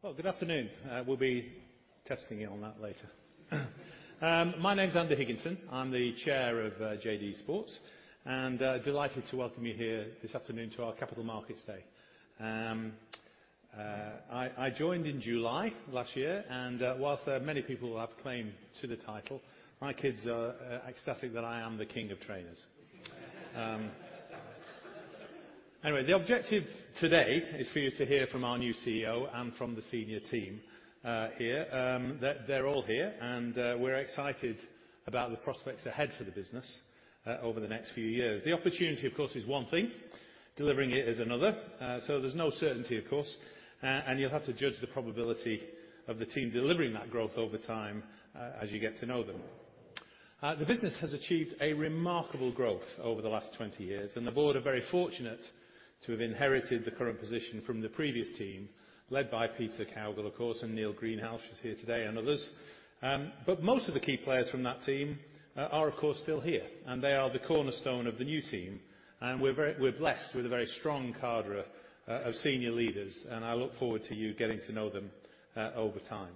Well, good afternoon. We'll be testing you on that later. My name's Andy Higginson. I'm the Chair of JD Sports, and delighted to welcome you here this afternoon to our capital markets day. I joined in July last year, and whilst there are many people who have claim to the title, my kids are ecstatic that I am the king of trainers. Anyway, the objective today is for you to hear from our new CEO and from the senior team here. They're all here, and we're excited about the prospects ahead for the business over the next few years. The opportunity, of course, is one thing, delivering it is another. There's no certainty, of course, and you'll have to judge the probability of the team delivering that growth over time, as you get to know them. The business has achieved a remarkable growth over the last 20 years, and the board are very fortunate to have inherited the current position from the previous team, led by Peter Cowgill, of course, and Neil Greenhalgh, who's here today, and others. Most of the key players from that team are of course still here, and they are the cornerstone of the new team, and we're blessed with a very strong cadre of senior leaders, and I look forward to you getting to know them over time.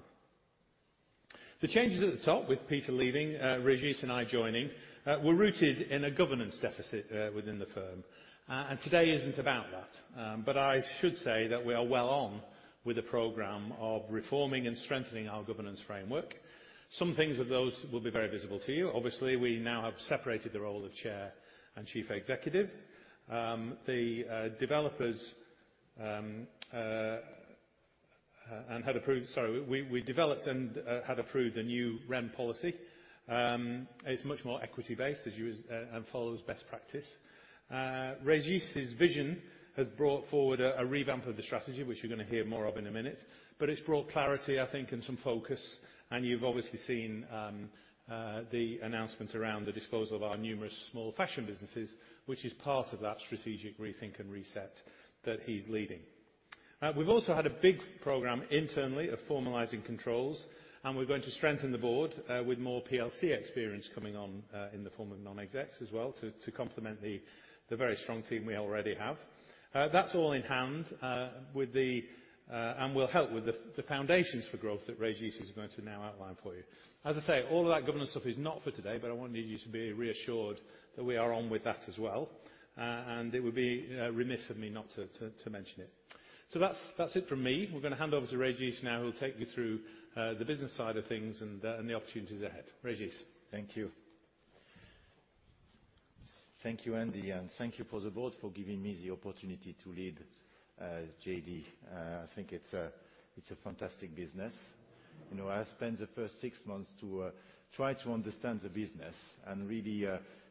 The changes at the top with Peter leaving, Régis and I joining, were rooted in a governance deficit within the firm. Today isn't about that, but I should say that we are well on with a program of reforming and strengthening our governance framework. Some things of those will be very visible to you. Obviously, we now have separated the role of chair and chief executive. The developers and had approved... Sorry, we developed and had approved a new REM policy. It's much more equity-based as you as and follows best practice. Régis' vision has brought forward a revamp of the strategy, which you're gonna hear more of in a minute. It's brought clarity, I think, and some focus, and you've obviously seen the announcement around the disposal of our numerous small fashion businesses, which is part of that strategic rethink and reset that he's leading. We've also had a big program internally of formalizing controls, and we're going to strengthen the board, with more PLC experience coming on, in the form of non-execs as well to complement the very strong team we already have. That's all in hand, with the, and will help with the foundations for growth that Régis is going to now outline for you. As I say, all of that governance stuff is not for today, but I want you to be reassured that we are on with that as well. It would be remiss of me not to mention it. That's it from me. We're gonna hand over to Régis now, who will take you through, the business side of things and the opportunities ahead. Régis. Thank you. Thank you, Andy, and thank you for the board for giving me the opportunity to lead JD. I think it's a fantastic business. You know, I spent the first six months to try to understand the business and really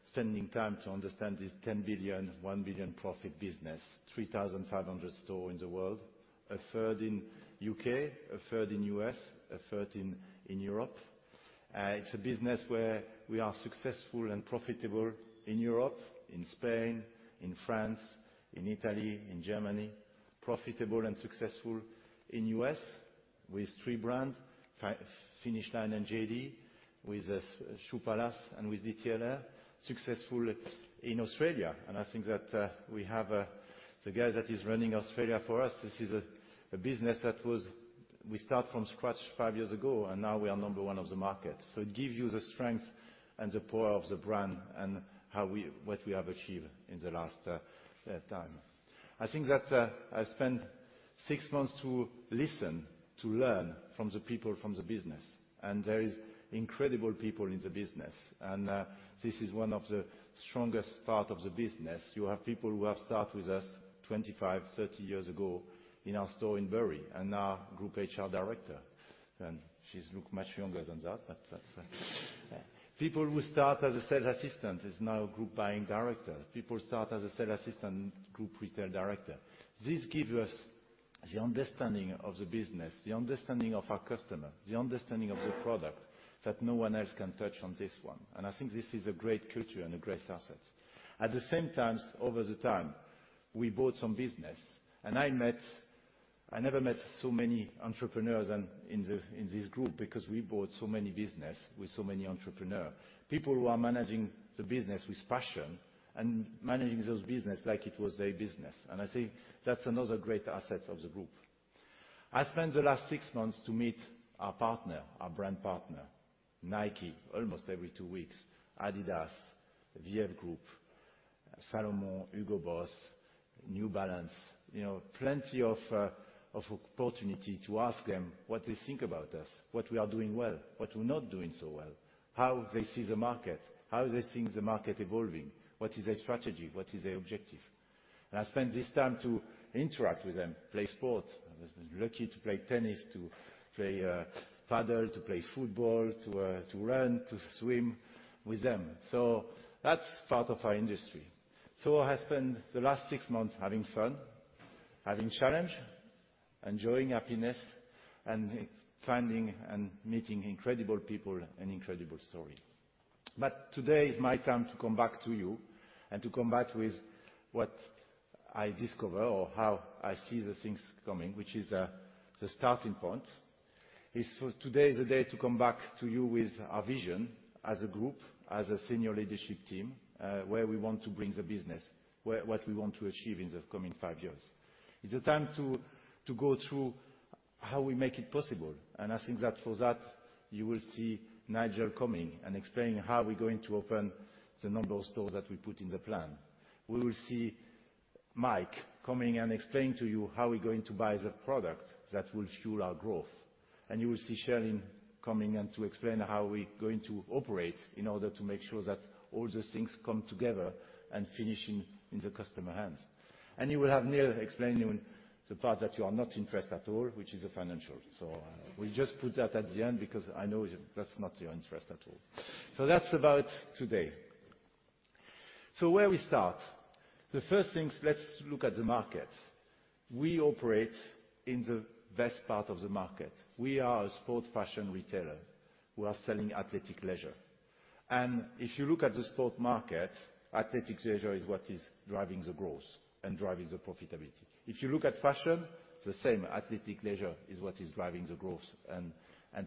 spending time to understand this 10 billion, 1 billion profit business. 3,500 store in the world, a third in U.K., a third in U.S., a third in Europe. It's a business where we are successful and profitable in Europe, in Spain, in France, in Italy, in Germany. Profitable and successful in U.S. with three brands, Finish Line and JD, with Shoe Palace and with DTLR. Successful in Australia. I think that we have the guy that is running Australia for us, this is a business that was... We start from scratch five years ago, now we are number one of the market. It give you the strength and the power of the brand and what we have achieved in the last time. I think that I spent six months to listen, to learn from the people from the business, there is incredible people in the business and this is one of the strongest part of the business. You have people who have start with us 25, 30 years ago in our store in Bury and now Group HR Director, and she's look much younger than that, but that's. People who start as a sales assistant is now Group Buying Director. People start as a sales assistant, Group Retail Director. This give us the understanding of the business, the understanding of our customer, the understanding of the product that no one else can touch on this one. I think this is a great culture and a great asset. At the same time, over the time, we bought some business I never met so many entrepreneurs in this group because we bought so many business with so many entrepreneur. People who are managing the business with passion and managing those business like it was their business. I think that's another great asset of the group. I spent the last six months to meet our partner, our brand partner, Nike, almost every two weeks, Adidas, VF Group, Salomon, Hugo Boss, New Balance. You know, plenty of opportunity to ask them what they think about us, what we are doing well, what we're not doing so well, how they see the market, how they think the market evolving, what is their strategy, what is their objective. I spent this time to interact with them, play sport. I was lucky to play tennis, to play paddle, to play football, to run, to swim with them. That's part of our industry. I spent the last six months having fun, having challenge, enjoying happiness, and finding and meeting incredible people and incredible story. Today is my time to come back to you and to come back with what I discover or how I see the things coming, which is, the starting point. Today is the day to come back to you with our vision as a group, as a senior leadership team, where we want to bring the business, what we want to achieve in the coming five years. It's a time to go through how we make it possible, and I think that for that you will see Nigel coming and explaining how we're going to open the number of stores that we put in the plan. We will see Mike coming and explain to you how we're going to buy the product that will fuel our growth. You will see Sherilyn coming and to explain how we're going to operate in order to make sure that all the things come together and finishing in the customer hands. You will have Neil explaining the part that you are not interested at all, which is the financial. We just put that at the end because I know that's not your interest at all. That's about today. Where we start, the first things, let's look at the markets. We operate in the best part of the market. We are a sport fashion retailer. We are selling athletic leisure. If you look at the sport market, athletic leisure is what is driving the growth and driving the profitability. If you look at fashion, the same, athletic leisure is what is driving the growth and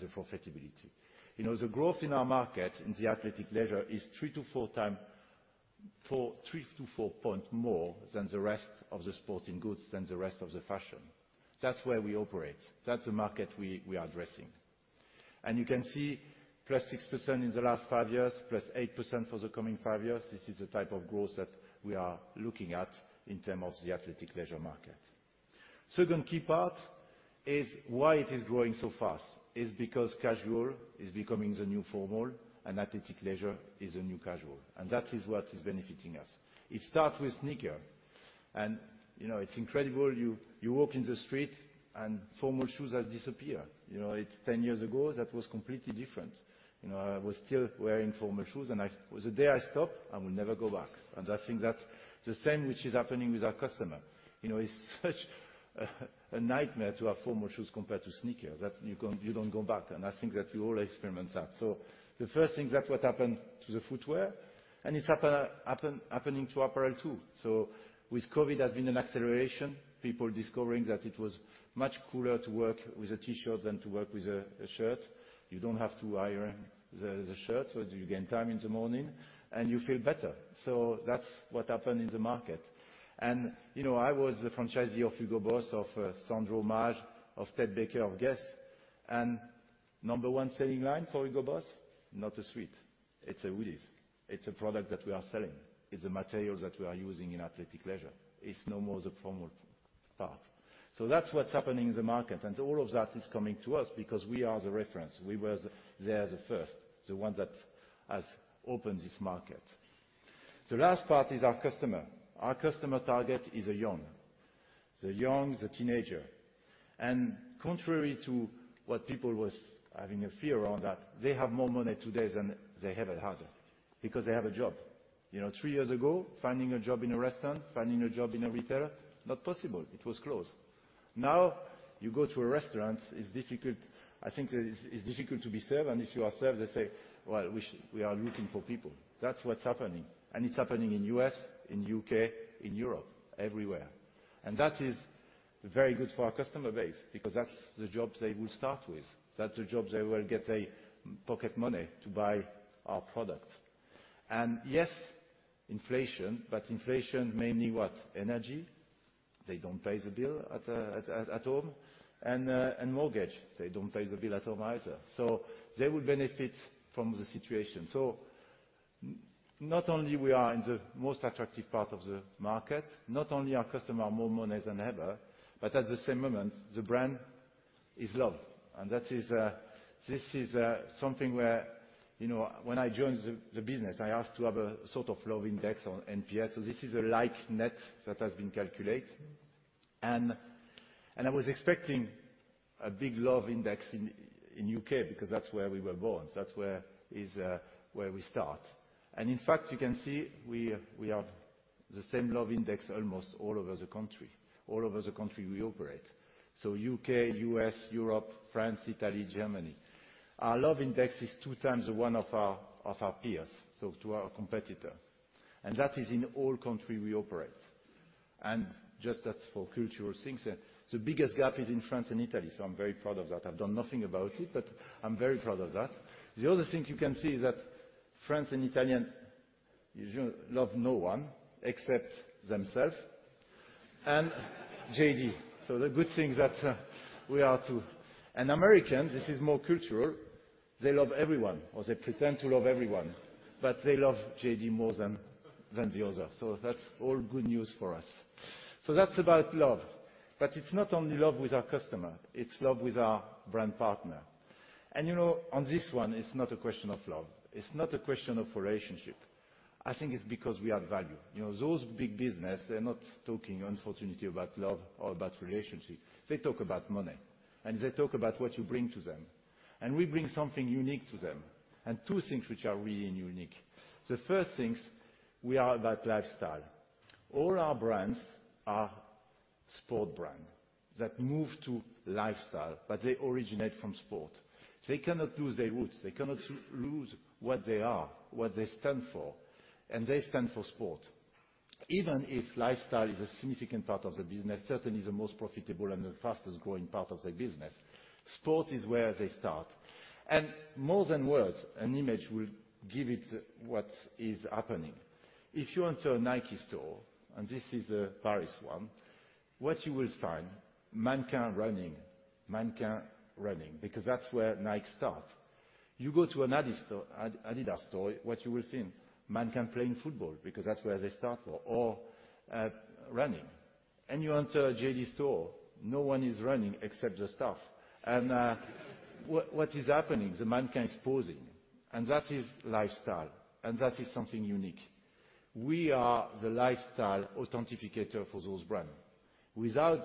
the profitability. You know, the growth in our market in the athleisure is 3 to 4 point more than the rest of the sporting goods than the rest of the fashion. That's where we operate. That's the market we are addressing. You can see +6% in the last five years, +8% for the coming five years. This is the type of growth that we are looking at in terms of the athleisure market. Second key part is why it is growing so fast, is because casual is becoming the new formal and athleisure is the new casual, and that is what is benefiting us. It start with sneaker and, you know, it's incredible, you walk in the street and formal shoes has disappeared. You know, it's 10 years ago, that was completely different. You know, I was still wearing formal shoes. The day I stop, I will never go back. I think that's the same which is happening with our customer. You know, it's such a nightmare to have formal shoes compared to sneakers, that you don't go back, and I think that you all experience that. The first thing, that's what happened to the footwear, and it's happening to apparel too. With COVID, there's been an acceleration, people discovering that it was much cooler to work with a T-shirt than to work with a shirt. You don't have to iron the shirt, so you gain time in the morning and you feel better. That's what happened in the market. And, you know, I was the franchisee of Hugo Boss, of Sandro, Maje, of Ted Baker, of Guess. Number one selling line for Hugo Boss, not a suit. It's a hoodies. It's a product that we are selling. It's a material that we are using in athleisure. It's no more the formal path. That's what's happening in the market. All of that is coming to us because we are the reference. We were there, the first, the one that has opened this market. The last part is our customer. Our customer target is the young. The young, the teenager. Contrary to what people was having a fear on that, they have more money today than they ever had because they have a job. You know, three years ago, finding a job in a restaurant, finding a job in a retailer, not possible. It was closed. Now, you go to a restaurant, it's difficult... I think that it's difficult to be served. If you are served, they say, "Well, we are looking for people." That's what's happening. It's happening in U.S., in U.K., in Europe, everywhere. That is very good for our customer base because that's the job they will start with. That's the job they will get a pocket money to buy our product. Yes, inflation, but inflation mainly what? Energy. They don't pay the bill at home. Mortgage, they don't pay the bill at home either. They will benefit from the situation. Not only we are in the most attractive part of the market, not only our customer more monies than ever, but at the same moment, the brand is loved. That is, this is something where, you know, when I joined the business, I asked to have a sort of love index on NPS. This is a like Net Promoter Score that has been calculated. I was expecting a big love index in U.K. because that's where we were born. That's where is where we start. In fact, you can see we have the same love index almost all over the country. All over the country we operate. U.K., U.S., Europe, France, Italy, Germany. Our love index is two times one of our, of our peers, so to our competitor. That is in all country we operate. Just that's for cultural things. The biggest gap is in France and Italy, so I'm very proud of that. I've done nothing about it, but I'm very proud of that. The other thing you can see is that France and Italian usually love no one except themself and JD. The good thing that we are too. Americans, this is more cultural, they love everyone, or they pretend to love everyone, but they love JD more than the other. That's all good news for us. That's about love. It's not only love with our customer, it's love with our brand partner. You know, on this one, it's not a question of love. It's not a question of relationship. I think it's because we add value. You know, those big business, they're not talking unfortunately about love or about relationship. They talk about money and they talk about what you bring to them. We bring something unique to them, and two things which are really unique. The first things, we are about lifestyle. All our brands are sport brand that move to lifestyle, they originate from sport. They cannot lose their roots, they cannot lose what they are, what they stand for, they stand for sport. Even if lifestyle is a significant part of the business, certainly the most profitable and the fastest-growing part of the business, sport is where they start. More than words, an image will give it what is happening. If you enter a Nike store, and this is a Paris one, what you will find, mankind running. Mankind running, because that's where Nike start. You go to an Adidas store, what you will think? Mankind playing football, because that's where they start from. Running. You enter a JD store. No one is running except the staff. What is happening? The mankind is posing, that is lifestyle, that is something unique. We are the lifestyle authenticator for those brands. Without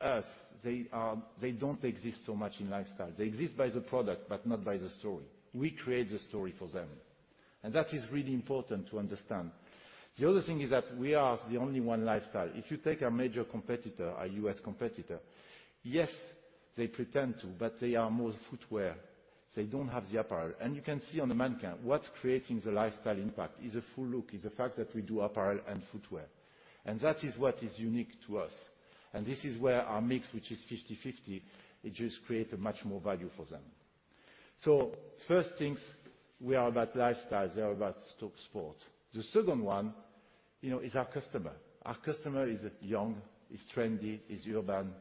us, they don't exist so much in lifestyle. They exist by the product, but not by the story. We create the story for them, that is really important to understand. The other thing is that we are the only one lifestyle. If you take a major competitor, a U.S. competitor, yes, they pretend to, but they are more footwear. They don't have the apparel. You can see on the mankind, what's creating the lifestyle impact is a full look, is the fact that we do apparel and footwear. That is what is unique to us. This is where our mix, which is 50/50, it just create a much more value for them. First things, we are about lifestyle, they're about sport. The second one, you know, is our customer. Our customer is young, is trendy, is urban,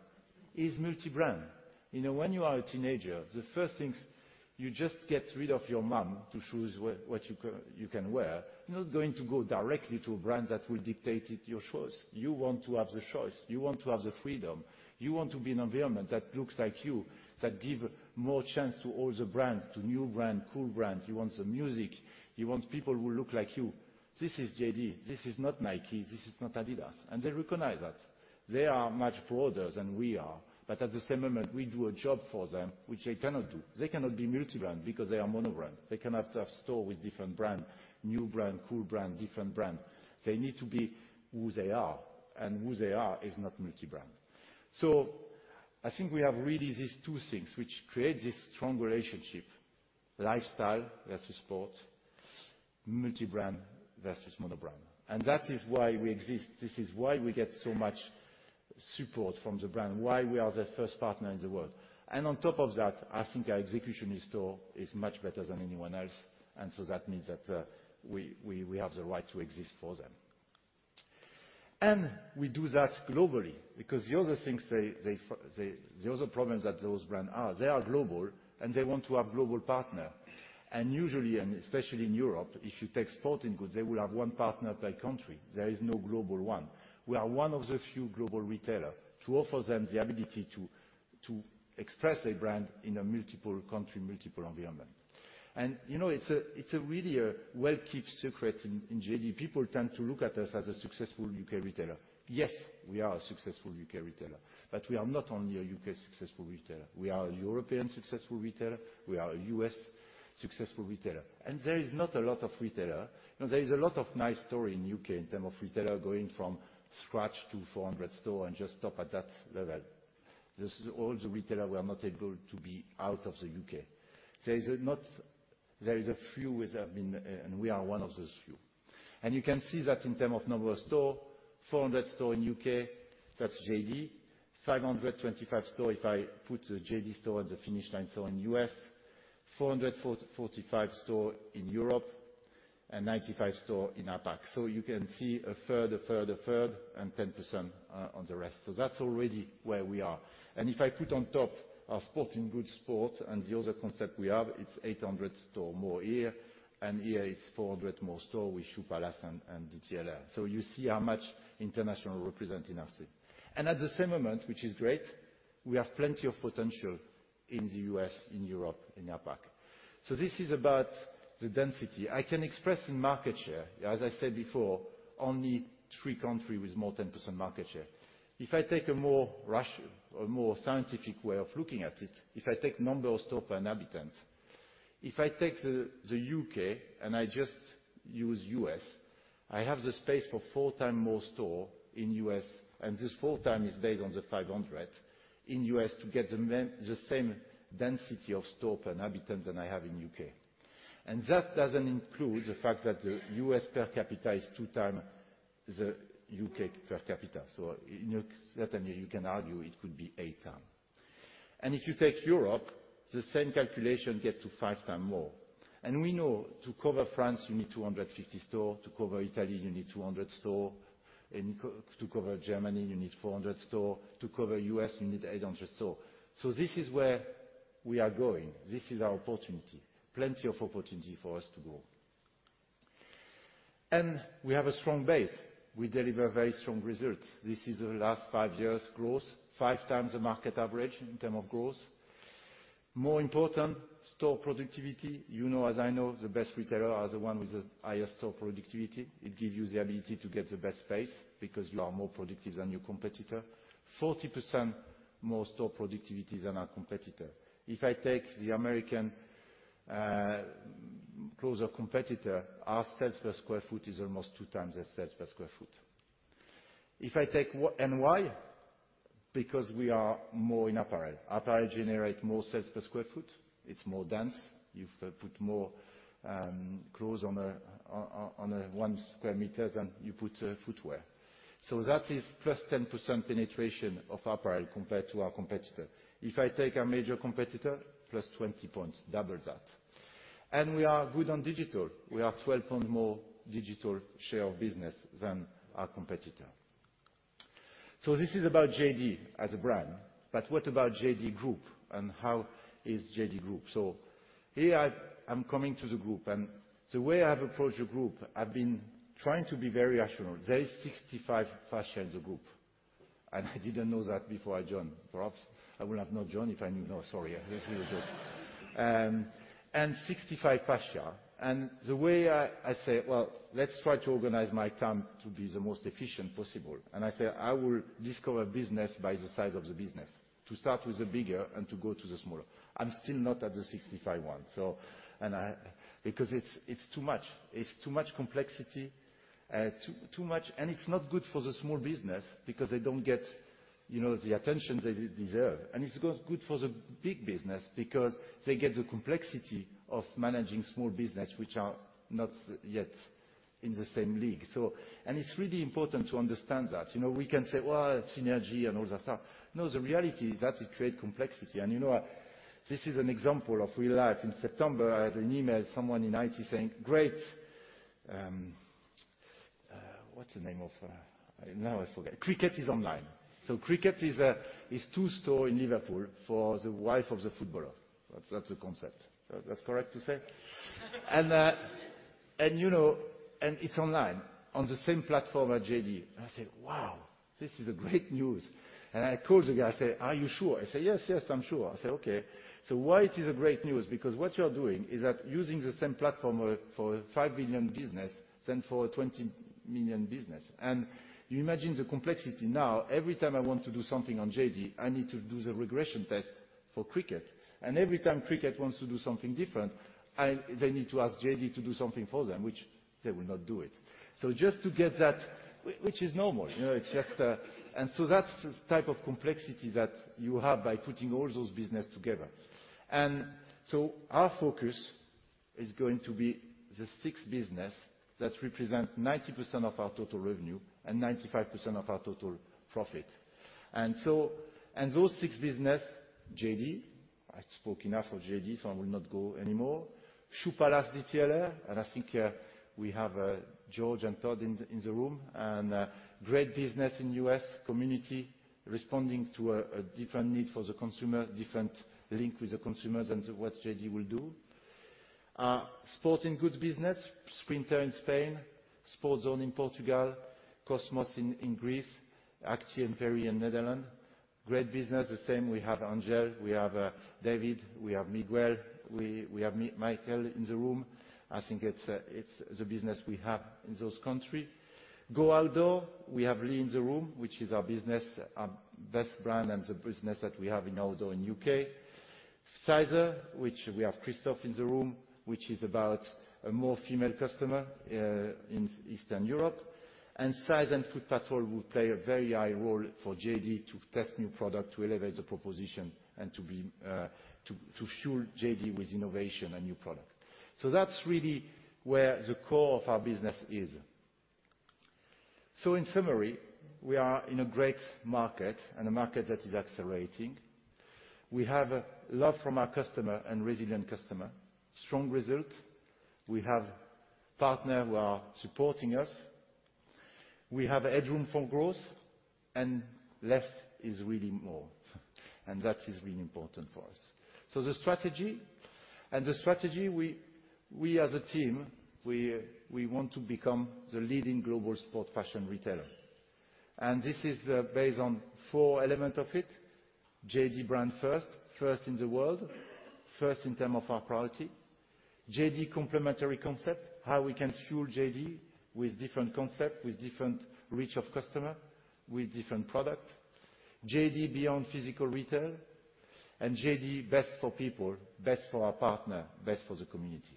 is multi-brand. You know, when you are a teenager, the first things you just get rid of your mom to choose what you can wear. You're not going to go directly to a brand that will dictate it, your choice. You want to have the choice, you want to have the freedom. You want to be an environment that looks like you, that give more chance to all the brands, to new brand, cool brand. You want the music. You want people who look like you. This is JD. This is not Nike. This is not Adidas. They recognize that. They are much broader than we are, at the same moment, we do a job for them, which they cannot do. They cannot be multi-brand because they are mono-brand. They cannot have stores with different brand, new brand, cool brand, different brand. They need to be who they are, who they are is not multi-brand. I think we have really these two things which create this strong relationship: lifestyle versus sport, multi-brand versus mono-brand. That is why we exist. This is why we get so much support from the brand, why we are their first partner in the world. On top of that, I think our execution in stores is much better than anyone else, that means that we have the right to exist for them. We do that globally because the other things, the other problems that those brands are, they are global, and they want to have global partner. Usually, and especially in Europe, if you take sporting goods, they will have one partner per country. There is no global one. We are one of the few global retailers to offer them the ability to express a brand in a multiple country, multiple environment. You know, it's a really a well-kept secret in JD. People tend to look at us as a successful U.K. retailer. Yes, we are a successful U.K. retailer, but we are not only a U.K. successful retailer. We are a European successful retailer. We are a U.S. successful retailer. There is not a lot of retailers... There is a lot of nice store in the U.K. in term of retailer going from scratch to 400 store and just stop at that level. This is all the retailer were not able to be out of the U.K. There is a few with, I mean, and we are one of those few. You can see that in term of number of store, 400 store in the U.K., that's JD. 525 store if I put the JD store at the Finish Line. In the U.S., 445 store in Europe and 95 store in APAC. You can see a third, a third, a third, and 10% on the rest. That's already where we are. If I put on top our sporting goods sport and the other concept we have, it's 800 store more here, and here it's 400 more store with Shoe Palace and DTLR. You see how much international represent in our city. At the same moment, which is great, we have plenty of potential in the U.S., in Europe, in APAC. This is about the density. I can express in market share. As I said before, only three country with more 10% market share. If I take a more rational or more scientific way of looking at it, if I take number of stores per inhabitant, if I take the U.K. and I just use U.S., I have the space for 4x more stores in U.S., and this 4x is based on the 500, in U.S. to get the same density of stores per inhabitant than I have in U.K. That doesn't include the fact that the U.S. per capita is 2x the U.K. per capita. So certainly you can argue it could be 8x. If you take Europe, the same calculation gets to 5x more. We know to cover France, you need 250 stores. To cover Italy, you need 200 stores. To cover Germany, you need 400 stores. To cover U.S., you need 800 store. This is where we are going. This is our opportunity. Plenty of opportunity for us to grow. We have a strong base. We deliver very strong results. This is the last five years growth, 5x the market average in term of growth. More important, store productivity. You know as I know the best retailer are the one with the highest store productivity. It give you the ability to get the best space because you are more productive than your competitor. 40% more store productivity than our competitor. If I take the American closer competitor, our sales per square foot is almost 2x their sales per square foot. Why? Because we are more in apparel. Apparel generate more sales per square foot. It's more dense. You put more clothes on a one square meters than you put footwear. That is +10% penetration of apparel compared to our competitor. If I take a major competitor, +20 points, double that. We are good on digital. We are 12 point more digital share of business than our competitor. This is about JD as a brand. What about JD Group and how is JD Group? Here I'm coming to the Group and the way I've approached the Group, I've been trying to be very rational. There is 65 fascia in the Group, and I didn't know that before I joined. Perhaps I would have not joined if I knew. No, sorry. This is a joke. 65 fascia. The way I say, "Well, let's try to organize my time to be the most efficient possible." I say, "I will discover business by the size of the business, to start with the bigger and to go to the smaller." I'm still not at the 65 one. Because it's too much. It's too much complexity. Too much. It's not good for the small business because they don't get, you know, the attention they deserve. It's good for the big business because they get the complexity of managing small business which are not yet in the same league, so. It's really important to understand that. You know, we can say, "Well, synergy," and all that stuff. No, the reality is that it create complexity. You know, this is an example of real life. In September, I had an email, someone in IT saying, "Great," What's the name of... Now I forget. Cricket is online. Cricket is two store in Liverpool for the wife of the footballer. That's, that's the concept. That's correct to say? You know, it's online on the same platform at JD. I say, "Wow, this is a great news." I called the guy. I say, "Are you sure?" He say, "Yes, I'm sure." I say, "Okay. Why it is a great news? Because what you're doing is that using the same platform for a 5 million business than for a 20 million business." You imagine the complexity now. Every time I want to do something on JD, I need to do the regression test for Cricket. Every time Cricket wants to do something different, they need to ask JD to do something for them, which they will not do it. Just to get that. Which is normal. You know, it's just. That's the type of complexity that you have by putting all those business together. Our focus is going to be the six business that represent 90% of our total revenue and 95% of our total profit. Those six business, JD, I spoke enough of JD, so I will not go any more. Shoe Palace DTLR, and I think, we have George and Todd in the room. Great business in U.S., community responding to a different need for the consumer, different link with the consumers than to what JD will do. Sporting goods business, Sprinter in Spain, Sport Zone in Portugal, Cosmos in Greece, Aktiesport and Perry in Netherlands. Great business. The same, we have Angel, we have David, we have Miguel, we have Michael in the room. I think it's the business we have in those country. Go Outdoors, we have Lee in the room, which is our business, our best brand and the business that we have in outdoor in U.K. size?, which we have Christoph in the room, which is about a more female customer in Eastern Europe. Size? and Footpatrol will play a very high role for JD to test new product, to elevate the proposition, and to be to fuel JD with innovation and new product. That's really where the core of our business is. In summary, we are in a great market and a market that is accelerating. We have love from our customer and resilient customer. Strong result. We have partner who are supporting us. We have a headroom for growth. Less is really more, and that is really important for us. The strategy, the strategy we as a team, we want to become the leading global sport fashion retailer. This is based on four element of it. JD brand first in the world, first in term of our priority. JD complementary concept, how we can fuel JD with different concept, with different reach of customer, with different product. JD beyond physical retail. JD best for people, best for our partner, best for the community.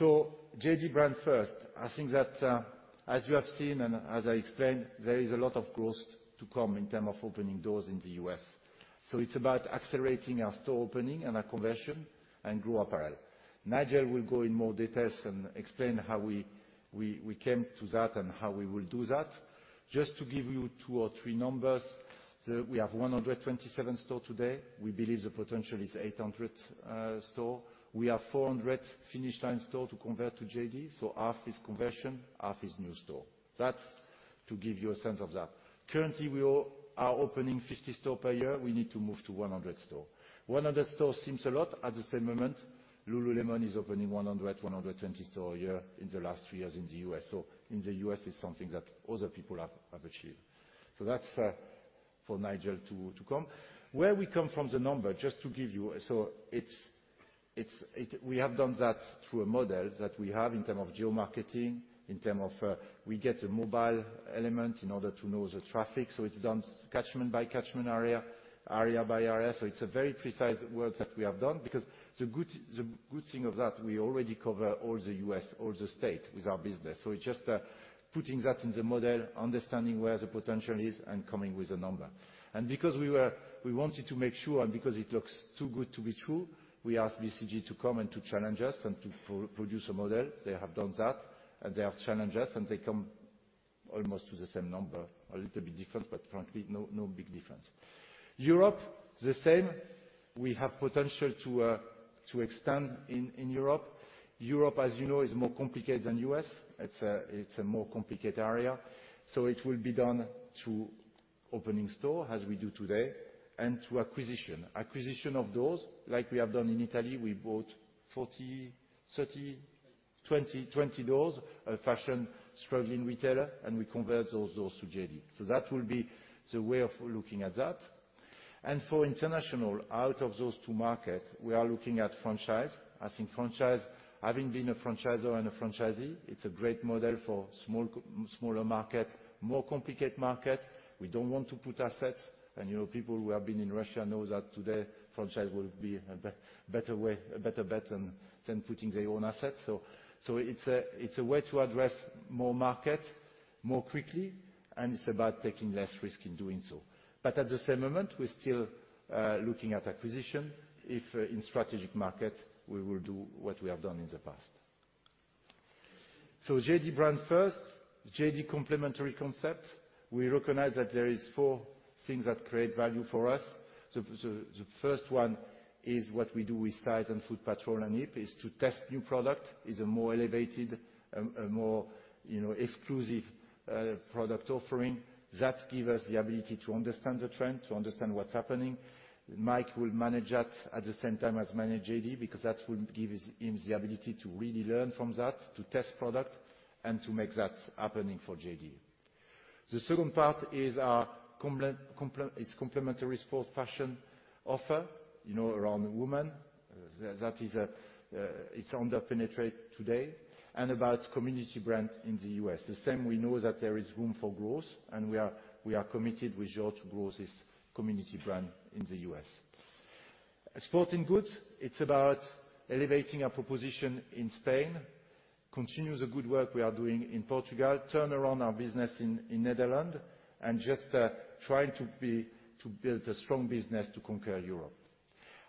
JD brand first. I think that, as you have seen and as I explained, there is a lot of growth to come in terms of opening doors in the U.S. It's about accelerating our store opening and our conversion and grow apparel. Nigel will go in more detail and explain how we came to that and how we will do that. Just to give you two or three numbers, we have 127 stores today. We believe the potential is 800 stores. We have 400 Finish Line stores to convert to JD. Half is conversion, half is new stores. That's to give you a sense of that. Currently, we are opening 50 stores per year. We need to move to 100 stores. 100 stores seems a lot. At the same moment, Lululemon is opening 100, 120 store a year in the last three years in the U.S. In the U.S., it's something that other people have achieved. That's for Nigel to come. Where we come from the number, just to give you, we have done that through a model that we have in terms of geomarketing, in terms of, we get a mobile element in order to know the traffic. It's done catchment by catchment area by area. It's a very precise work that we have done because the good thing of that, we already cover all the U.S., all the state with our business. It's just putting that in the model, understanding where the potential is and coming with a number. Because we wanted to make sure and because it looks too good to be true, we asked BCG to come and to challenge us and to produce a model. They have done that, and they have challenged us, and they come almost to the same number. A little bit different, but frankly, no big difference. Europe, the same. We have potential to extend in Europe. Europe, as you know, is more complicated than U.S. It's a more complicated area, so it will be done through opening store as we do today and through acquisition. Acquisition of those, like we have done in Italy, we bought 40, 30, 20 doors, a fashion struggling retailer, and we convert those doors to JD. That will be the way of looking at that. For international, out of those two markets, we are looking at franchise. I think franchise, having been a franchisor and a franchisee, it's a great model for smaller markets, more complicated markets. We don't want to put assets. You know, people who have been in Russia know that today franchise will be a better way, a better bet than putting their own assets. It's a way to address more markets more quickly, and it's about taking less risk in doing so. At the same moment, we're still looking at acquisition, if in strategic markets we will do what we have done in the past. JD brand first, JD complementary concept. We recognize that there are four things that create value for us. The first one is what we do with size? and Footpatrol and IP is to test new product, is a more elevated and a more, you know, exclusive product offering. That give us the ability to understand the trend, to understand what's happening. Mike will manage that at the same time as manage JD because that will give him the ability to really learn from that, to test product, and to make that happening for JD. The second part is our complementary sport fashion offer, you know, around woman. That is, it's under-penetrated today, and about community brand in the U.S. The same we know that there is room for growth, and we are committed with George to grow this community brand in the U.S. Sporting goods, it's about elevating our proposition in Spain, continue the good work we are doing in Portugal, turn around our business in Netherlands, and just trying to build a strong business to conquer Europe.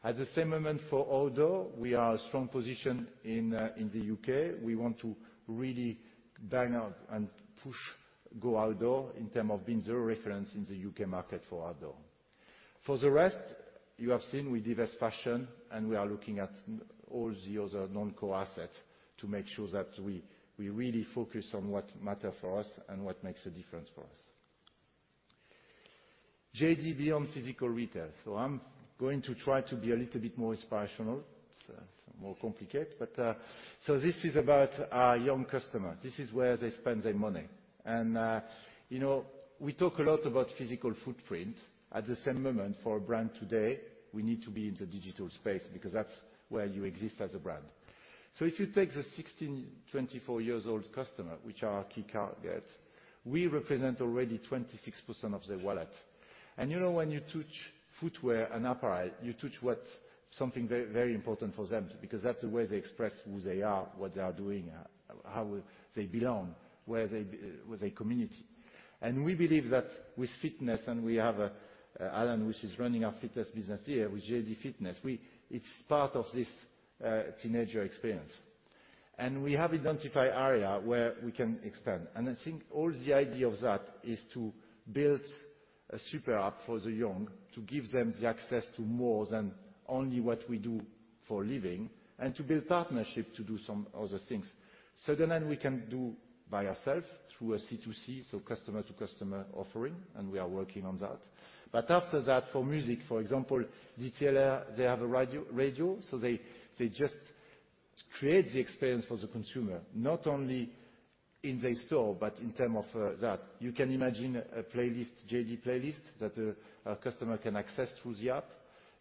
At the same moment, for outdoor, we are a strong position in the U.K. We want to really bang out and push Go Outdoors in term of being the reference in the U.K. market for outdoor. For the rest, you have seen we divest fashion, and we are looking at all the other non-core assets to make sure that we really focus on what matter for us and what makes a difference for us. JD beyond physical retail. I'm going to try to be a little bit more inspirational. It's more complicated, but... This is about our young customer. This is where they spend their money. You know, we talk a lot about physical footprint. At the same moment, for a brand today, we need to be in the digital space because that's where you exist as a brand. If you take the 16-24-years-old customer, which are our key targets, we represent already 26% of their wallet. You know when you touch footwear and apparel, you touch what's something very, very important for them because that's the way they express who they are, what they are doing, how they belong, where they with their community. We believe that with fitness, and we have Alan, which is running our fitness business here with JD Fitness. It's part of this teenager experience. We have identified area where we can expand. I think all the idea of that is to build a super app for the young, to give them the access to more than only what we do for a living, and to build partnership to do some other things. Certain we can do by ourself through a C2C, so customer-to-customer offering, and we are working on that. After that, for music, for example, retailer, they have a radio, so they just create the experience for the consumer, not only in their store, but in term of that. You can imagine a playlist, JD playlist that a customer can access through the app.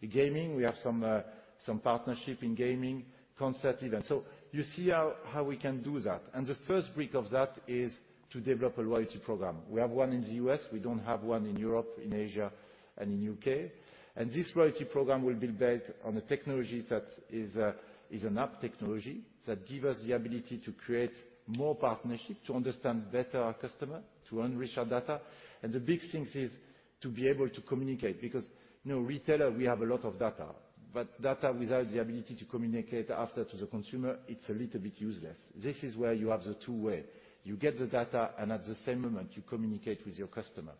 In gaming, we have some partnership in gaming, concert event. You see how we can do that. The first brick of that is to develop a loyalty program. We have one in the U.S. We don't have one in Europe, in Asia, and in U.K. This loyalty program will be built on a technology that is an app technology that give us the ability to create more partnership, to understand better our customer, to enrich our data. The big things is to be able to communicate because, you know, retailer, we have a lot of data, but data without the ability to communicate after to the consumer, it's a little bit useless. This is where you have the two-way. You get the data, and at the same moment, you communicate with your customer.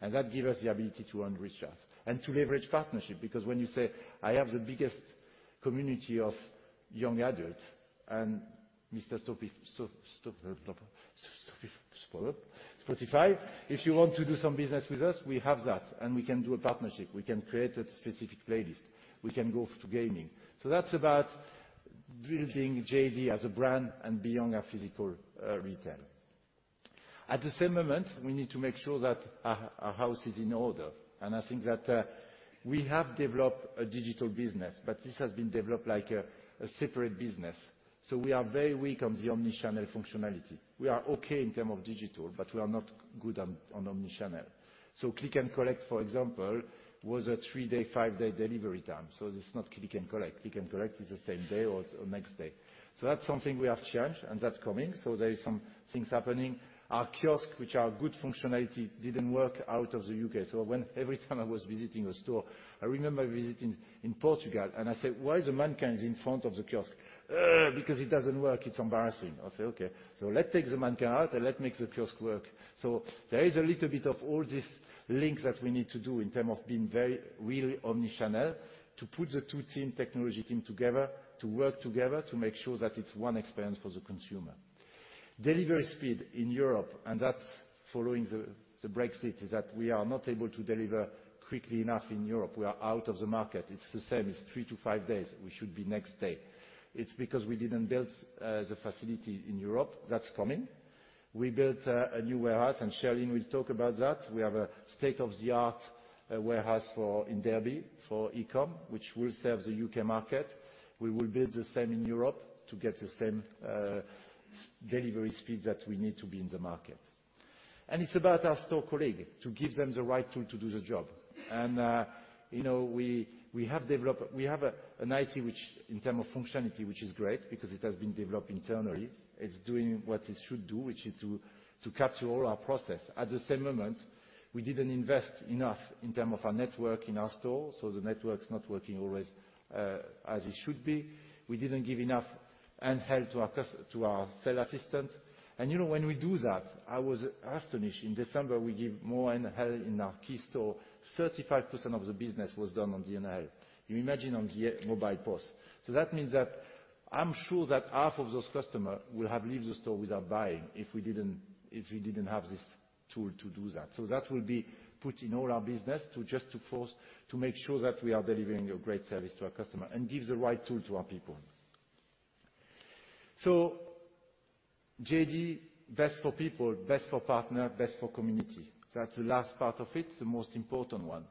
That give us the ability to enrich us and to leverage partnership because when you say, "I have the biggest community of young adults," and Mr. Spotify, "If you want to do some business with us, we have that, and we can do a partnership. We can create a specific playlist. We can go to gaming." That's about building JD as a brand and beyond our physical retail. At the same moment, we need to make sure that our house is in order. I think that we have developed a digital business, but this has been developed like a separate business. We are very weak on the omnichannel functionality. We are okay in term of digital, but we are not good on omnichannel. Click and collect, for example, was a three-day, five-day delivery time. This is not click and collect. Click and collect is the same day or next day. That's something we have changed, and that's coming, there is some things happening. Our kiosk, which are good functionality, didn't work out of the U.K. When every time I was visiting a store, I remember visiting in Portugal, and I said, "Why is the mankind in front of the kiosk?" "Because it doesn't work. It's embarrassing." I say, "Okay, let's take the mankind out and let's make the kiosk work." There is a little bit of all this links that we need to do in term of being very really omnichannel, to put the two team, technology team together, to work together, to make sure that it's one experience for the consumer. Delivery speed in Europe, and that's following the Brexit, is that we are not able to deliver quickly enough in Europe. We are out of the market. It's the same as three to five days. We should be next day. It's because we didn't build the facility in Europe. That's coming. We built a new warehouse. Sherilyn will talk about that. We have a state-of-the-art warehouse in Derby for e-commerce, which will serve the U.K. market. We will build the same in Europe to get the same delivery speed that we need to be in the market. It's about our store colleague, to give them the right tool to do the job. You know, we have developed. We have an IT which in terms of functionality, which is great because it has been developed internally. It's doing what it should do, which is to capture all our process. At the same moment, we didn't invest enough in terms of our network in our store, so the network's not working always as it should be. We didn't give enough handheld to our sales assistant. You know, when we do that, I was astonished. In December, we give more handheld in our key store. 35% of the business was done on the handheld. You imagine on the mobile POS. That means that I'm sure that half of those customer will have leave the store without buying if we didn't have this tool to do that. That will be put in all our business to just force, to make sure that we are delivering a great service to our customer and give the right tool to our people. JD, best for people, best for partner, best for community. That's the last part of it, the most important one.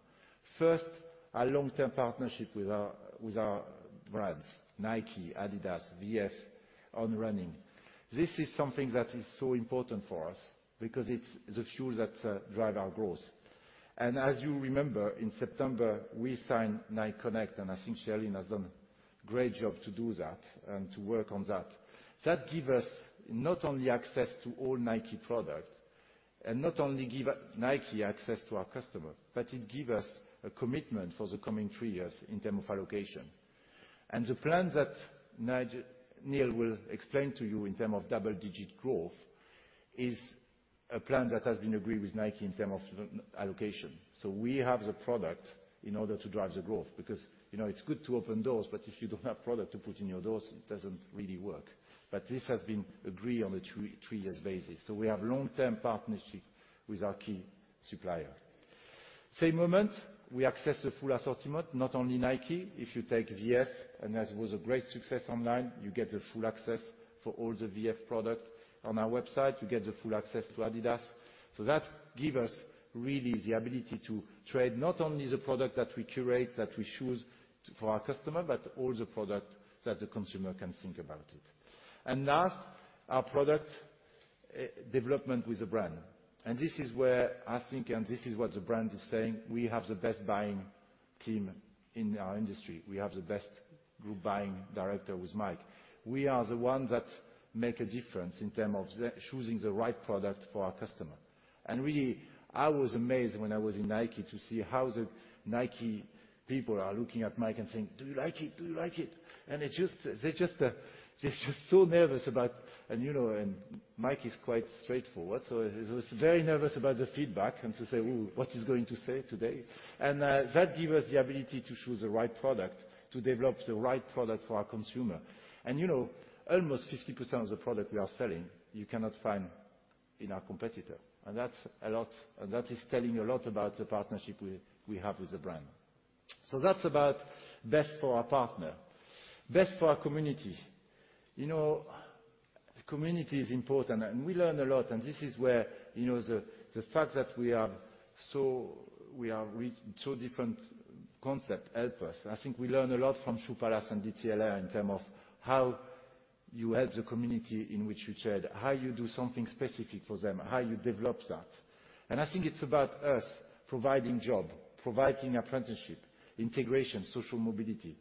First, our long-term partnership with our, with our brands, Nike, Adidas, VF on running. This is something that is so important for us because it's the fuel that drive our growth. As you remember, in September, we signed Nike Connect, and I think Sherilyn has done great job to do that and to work on that. That give us not only access to all Nike product and not only give Nike access to our customer, but it give us a commitment for the coming three years in term of allocation. The plan that Neil will explain to you in term of double-digit growth is a plan that has been agreed with Nike in term of allocation. We have the product in order to drive the growth because, you know, it's good to open doors, but if you don't have product to put in your doors, it doesn't really work. This has been agreed on a three years basis. We have long-term partnership with our key supplier. Same moment, we access the full assortment, not only Nike. If you take VF, and that was a great success online, you get the full access for all the VF product on our website. You get the full access to Adidas. That give us really the ability to trade not only the product that we curate, that we choose for our customer, but all the product that the consumer can think about it. Last, our product development with the brand. This is where I think, and this is what the brand is saying, we have the best buying team in our industry. We have the best Group Buying Director with Mike. We are the one that make a difference in term of the choosing the right product for our customer. Really, I was amazed when I was in Nike to see how the Nike people are looking at Mike and saying, "Do you like it? Do you like it?" It just, they just, they're just so nervous about... You know, Mike is quite straightforward, so he was very nervous about the feedback and to say, "Oh, what he's going to say today?" That give us the ability to choose the right product, to develop the right product for our consumer. You know, almost 50% of the product we are selling, you cannot find in our competitor. That's a lot. That is telling a lot about the partnership we have with the brand. That's about best for our partner. Best for our community. You know, community is important, and we learn a lot, and this is where, you know, the fact that we are with so different concept help us. I think we learn a lot from Shoe Palace and DTLR in term of how you help the community in which you trade, how you do something specific for them, how you develop that. I think it's about us providing job, providing apprenticeship, integration, social mobility.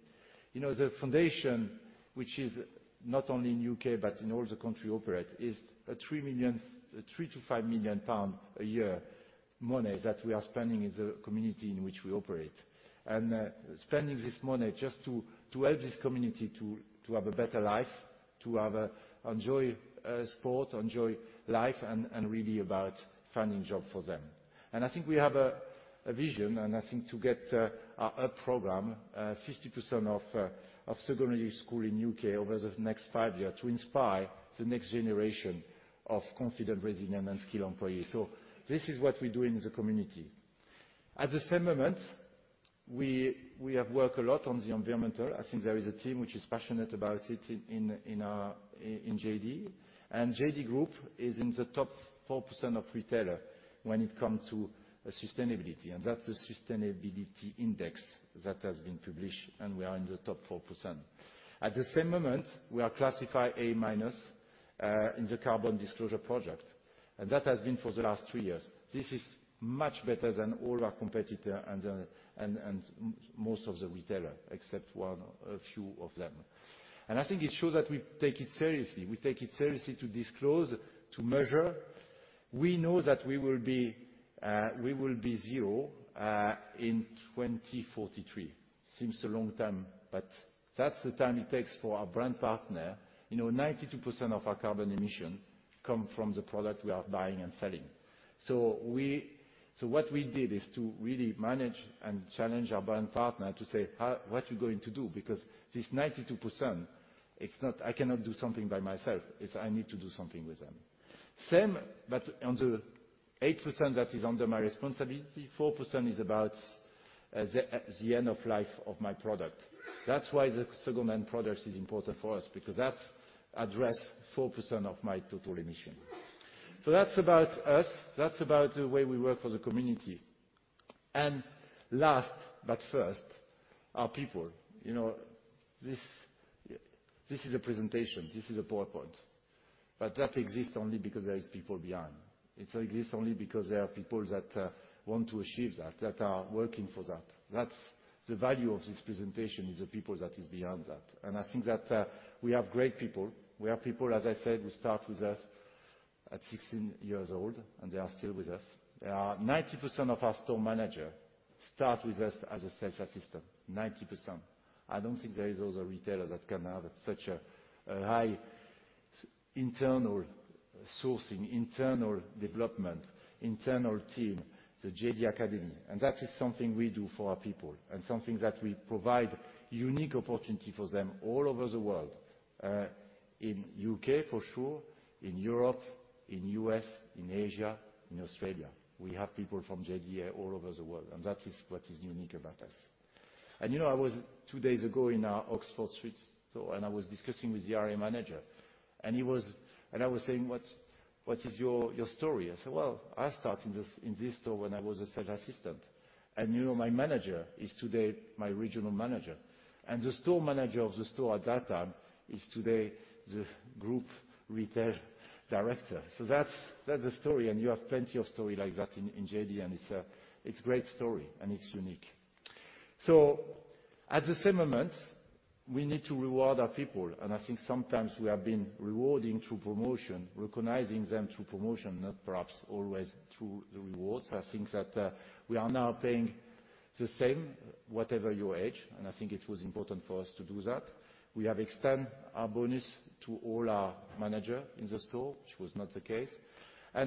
You know, the foundation, which is not only in U.K., but in all the country operate, is a 3 million, 3 million-5 million pound a year money that we are spending in the community in which we operate. Spending this money just to help this community to have a better life, to have a. Enjoy sport, enjoy life, and really about finding job for them. I think we have a vision, and I think to get our program 50% of secondary school in U.K. over the next five year to inspire the next generation of confident, resilient, and skilled employees. This is what we do in the community. At the same moment, we have worked a lot on the environmental. I think there is a team which is passionate about it in JD. JD Group is in the top 4% of retailer when it comes to sustainability, that's the sustainability index that has been published, we are in the top 4%. At the same moment, we are classified A-minus in the Carbon Disclosure Project, that has been for the last three years. This is much better than all our competitor and most of the retailer, except one... A few of them. I think it shows that we take it seriously. We take it seriously to disclose, to measure. We know that we will be zero in 2043. Seems a long time, but that's the time it takes for our brand partner. You know, 92% of our carbon emission come from the product we are buying and selling. What we did is to really manage and challenge our brand partner to say, 'How what you going to do?' This 92%, it's not, I cannot do something by myself. It's I need to do something with them. Same, but on the 8% that is under my responsibility, 4% is about the end of life of my product. That's why the second-hand products is important for us because that's address 4% of my total emission. That's about us. That's about the way we work for the community. Last but first, our people. You know, this is a presentation. This is a PowerPoint. That exists only because there is people behind. It exists only because there are people that want to achieve that are working for that. That's the value of this presentation, is the people that is behind that. And I think that we have great people. We have people, as I said, who start with us at 16 years old, and they are still with us. 90% of our store manager start with us as a sales assistant. 90%. I don't think there is other retailer that can have such a high internal sourcing, internal development, internal team, the JD Academy, and that is something we do for our people and something that we provide unique opportunity for them all over the world, in U.K. for sure, in Europe, in U.S., in Asia, in Australia. We have people from JD all over the world, and that is what is unique about us. And, you know, I was two days ago in our Oxford Street store, and I was discussing with the area manager. I was saying, "What is your story?" I said, "Well, I start in this store when I was a sales assistant, and you know, my manager is today my regional manager. The store manager of the store at that time is today the group retail director. That's a story, and you have plenty of story like that in JD, and it's a great story, and it's unique. At the same moment, we need to reward our people, and I think sometimes we have been rewarding through promotion, recognizing them through promotion, not perhaps always through the rewards. I think that we are now paying the same whatever your age, and I think it was important for us to do that. We have extend our bonus to all our manager in the store, which was not the case.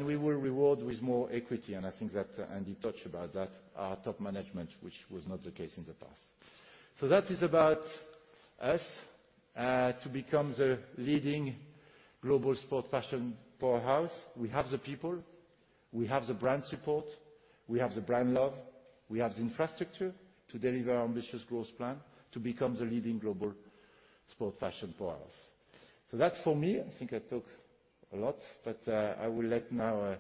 We will reward with more equity. I think that Andy touched about that, our top management, which was not the case in the past. That is about us to become the leading global sport fashion powerhouse. We have the people, we have the brand support, we have the brand love, we have the infrastructure to deliver our ambitious growth plan to become the leading global sport fashion powerhouse. That's for me. I think I talk a lot, but I will let now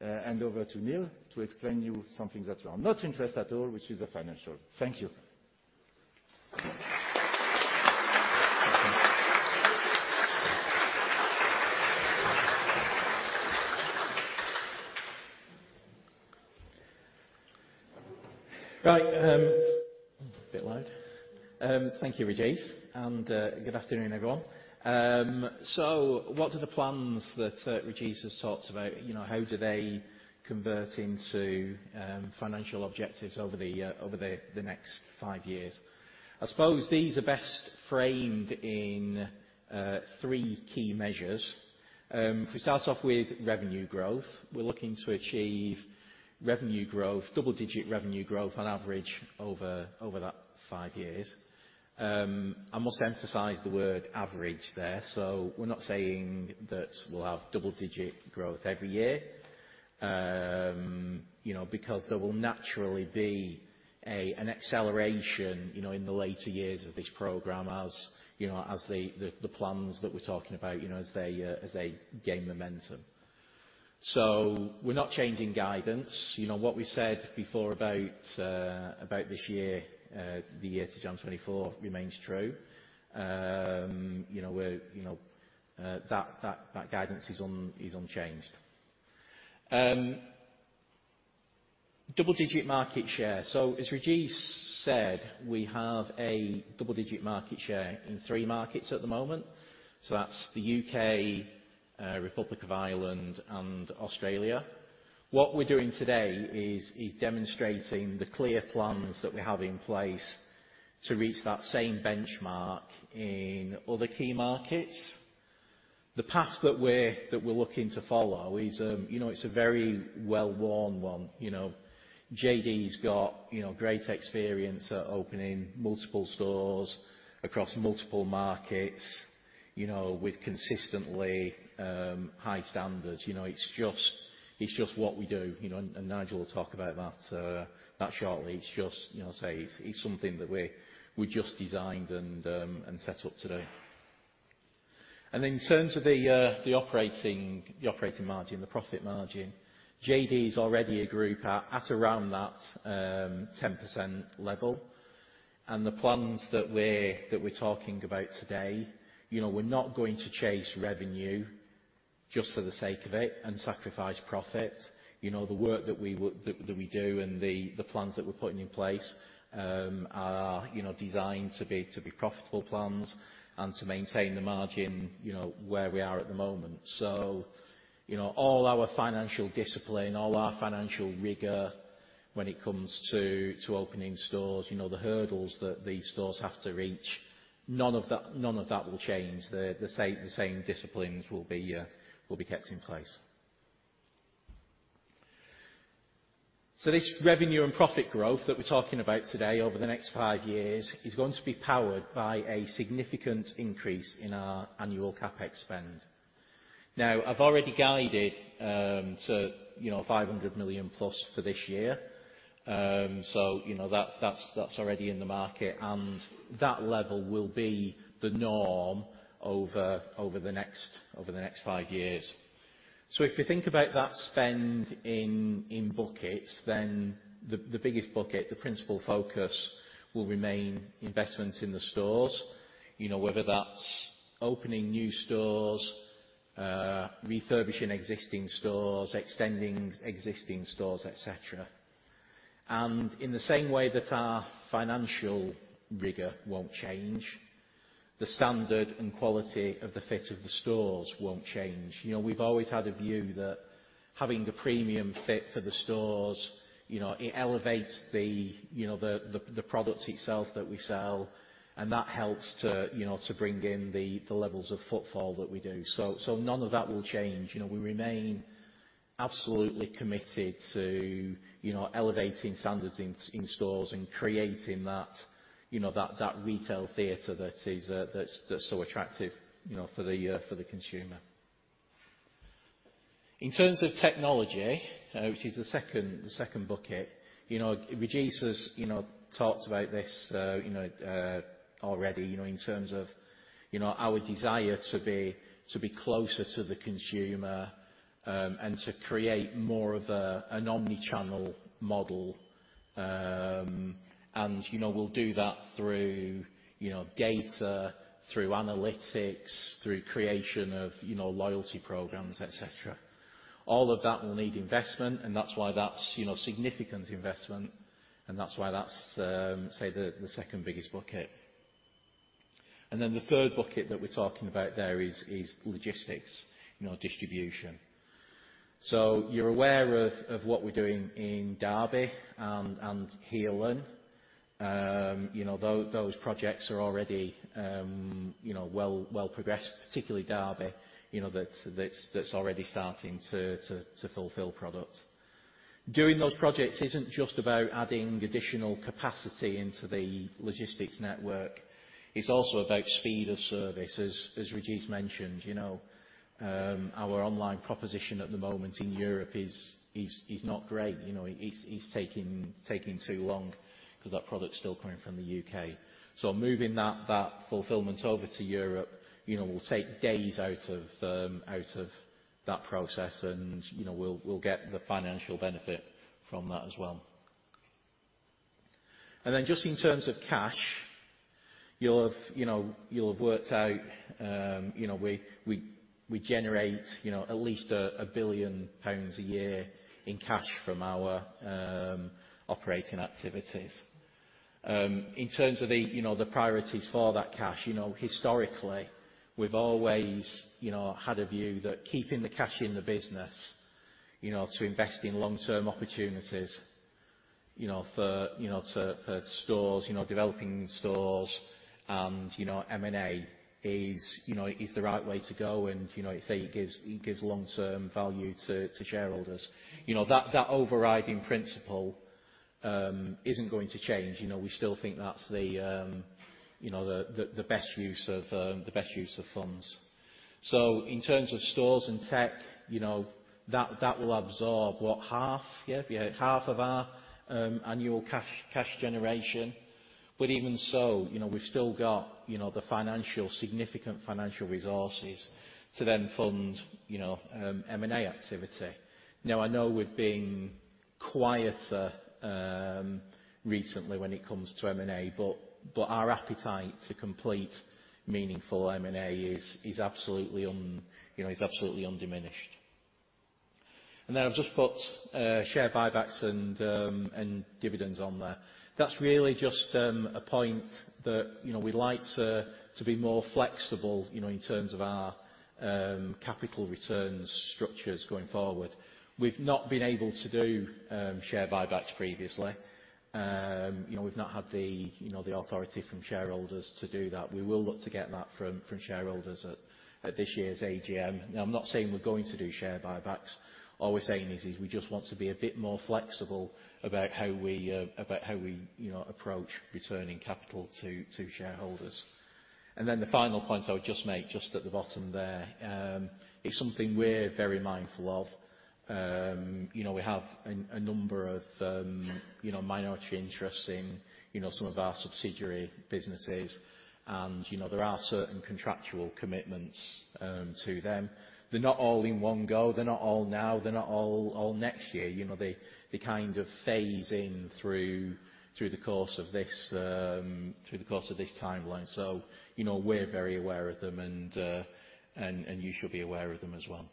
hand over to Neil to explain you something that you are not interested at all, which is the financial. Thank you. Right. A bit loud. Thank you, Régis. Good afternoon, everyone. What are the plans that Régis has talked about? You know, how do they convert into financial objectives over the next five years? I suppose these are best framed in three key measures. If we start off with revenue growth, we're looking to achieve revenue growth, double-digit revenue growth on average over that five years. I must emphasize the word average there. We're not saying that we'll have double-digit growth every year. You know, because there will naturally be an acceleration, you know, in the later years of this program, as, you know, as the plans that we're talking about, you know, as they as they gain momentum. We're not changing guidance. You know what we said before about this year, the year to June 2024 remains true. You know, we're, you know, that guidance is unchanged. Double-digit market share. As Régis said, we have a double-digit market share in three markets at the moment. That's the U.K., Republic of Ireland and Australia. What we're doing today is demonstrating the clear plans that we have in place to reach that same benchmark in other key markets. The path that we're looking to follow is, you know, it's a very well-worn one. You know, JD's got, you know, great experience at opening multiple stores across multiple markets. You know, with consistently, high standards, you know, it's just what we do, you know, and Nigel will talk about that shortly. It's just, you know, say it's something that we just designed and set up today. In terms of the operating margin, the profit margin, JD is already a group at around that 10% level. The plans that we're talking about today, you know, we're not going to chase revenue just for the sake of it and sacrifice profit. You know, the work that we do and the plans that we're putting in place are, you know, designed to be profitable plans and to maintain the margin, you know, where we are at the moment. So, you know, all our financial discipline, all our financial rigor when it comes to opening stores, you know, the hurdles that these stores have to reach, none of that will change. The same disciplines will be kept in place. This revenue and profit growth that we're talking about today over the next five years is going to be powered by a significant increase in our annual CapEx spend. Now, I've already guided, you know, to 500 million+ for this year, you know, that's already in the market, and that level will be the norm over the next five years. If we think about that spend in buckets, then the biggest bucket, the principal focus will remain investment in the stores, you know, whether that's opening new stores, refurbishing existing stores, extending existing stores, et cetera. In the same way that our financial rigor won't change, the standard and quality of the fit of the stores won't change. You know, we've always had a view that having a premium fit for the stores, you know, it elevates the, you know, the product itself that we sell, and that helps to, you know, to bring in the levels of footfall that we do. None of that will change. You know, we remain absolutely committed to, you know, elevating standards in stores and creating that, you know, that retail theater that is, that's so attractive, you know, for the consumer. In terms of technology, which is the second bucket, you know, Régis's, you know, talked about this, you know, already, you know, in terms of, you know, our desire to be closer to the consumer and to create more of an omnichannel model. You know, we'll do that through, you know, data, through analytics, through creation of, you know, loyalty programs, et cetera. All of that will need investment, and that's why that's, you know, significant investment, and that's why that's say the second-biggest bucket. The third bucket that we're talking about there is logistics, you know, distribution. You're aware of what we're doing in Derby and Heerlen. You know, those projects are already, you know, well-progressed, particularly Derby, you know, that's already starting to fulfill product. Doing those projects isn't just about adding additional capacity into the logistics network, it's also about speed of service, as Régis's mentioned. You know, our online proposition at the moment in Europe is not great. You know, it's taking too long because that product's still coming from the U.K. Moving that fulfillment over to Europe, you know, will take days out of that process and, you know, we'll get the financial benefit from that as well. Just in terms of cash, you'll have, you know, you'll have worked out, you know, we generate, you know, at least 1 billion pounds a year in cash from our operating activities. In terms of the, you know, the priorities for that cash, you know, historically, we've always, you know, had a view that keeping the cash in the business, you know, to invest in long-term opportunities, you know, for stores, you know, developing stores and, you know, M&A is, you know, is the right way to go and, you know, I say it gives long-term value to shareholders. You know, that overriding principle isn't going to change. You know, we still think that's the, you know, the best use of the best use of funds. In terms of stores and tech, you know, that will absorb what? Half? Yeah, half of our annual cash generation. Even so, you know, we've still got, you know, significant financial resources to fund, you know, M&A activity. I know we've been quieter recently when it comes to M&A, but our appetite to complete meaningful M&A is absolutely undiminished. I've just put share buybacks and dividends on there. That's really just a point that, you know, we'd like to be more flexible, you know, in terms of our capital returns structures going forward. We've not been able to do share buybacks previously. You know, we've not had the authority from shareholders to do that. We will look to get that from shareholders at this year's AGM. Now I'm not saying we're going to do share buybacks. All we're saying is we just want to be a bit more flexible about how we about how we, you know, approach returning capital to shareholders. The final point I would just make, just at the bottom there, is something we're very mindful of. You know, we have a number of, you know, minority interests in, you know, some of our subsidiary businesses, and, you know, there are certain contractual commitments to them. They're not all in one go, they're not all now, they're not all next year. You know, they kind of phase in through the course of this through the course of this timeline. You know, we're very aware of them, and you should be aware of them as well.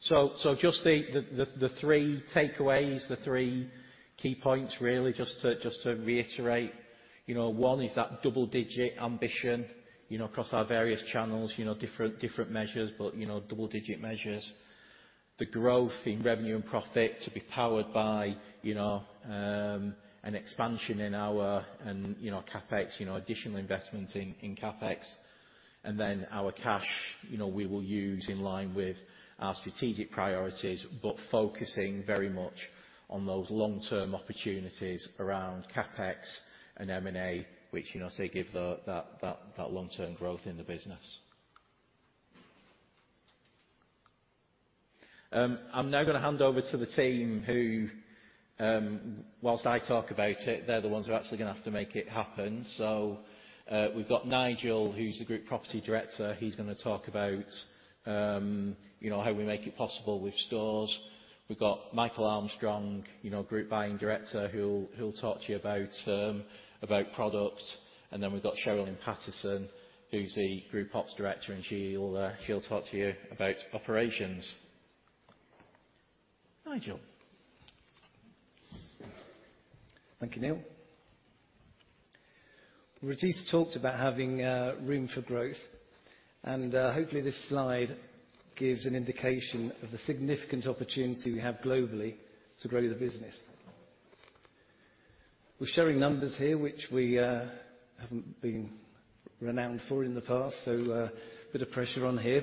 Just the three takeaways, the three key points really just to reiterate, you know, one is that double-digit ambition, you know, across our various channels, you know, different measures but, you know, double-digit measures. The growth in revenue and profit to be powered by, you know, an expansion in our, you know, CapEx, you know, additional investments in CapEx, and then our cash, you know, we will use in line with our strategic priorities, but focusing very much on those long-term opportunities around CapEx and M&A, which, you know, as I say, give the long-term growth in the business. I'm now gonna hand over to the team who, whilst I talk about it, they're the ones who are actually gonna have to make it happen. We've got Nigel, who's the group property director. He's gonna talk about, you know, how we make it possible with stores. We've got Michael Armstrong, you know, Group Buying Director, who'll talk to you about product. We've got Sherilyn Paterson, who's the group ops director, and she'll talk to you about operations. Nigel. Thank you, Neil. Régis talked about having room for growth, hopefully this slide gives an indication of the significant opportunity we have globally to grow the business. We're showing numbers here, which we haven't been renowned for in the past, so bit of pressure on here.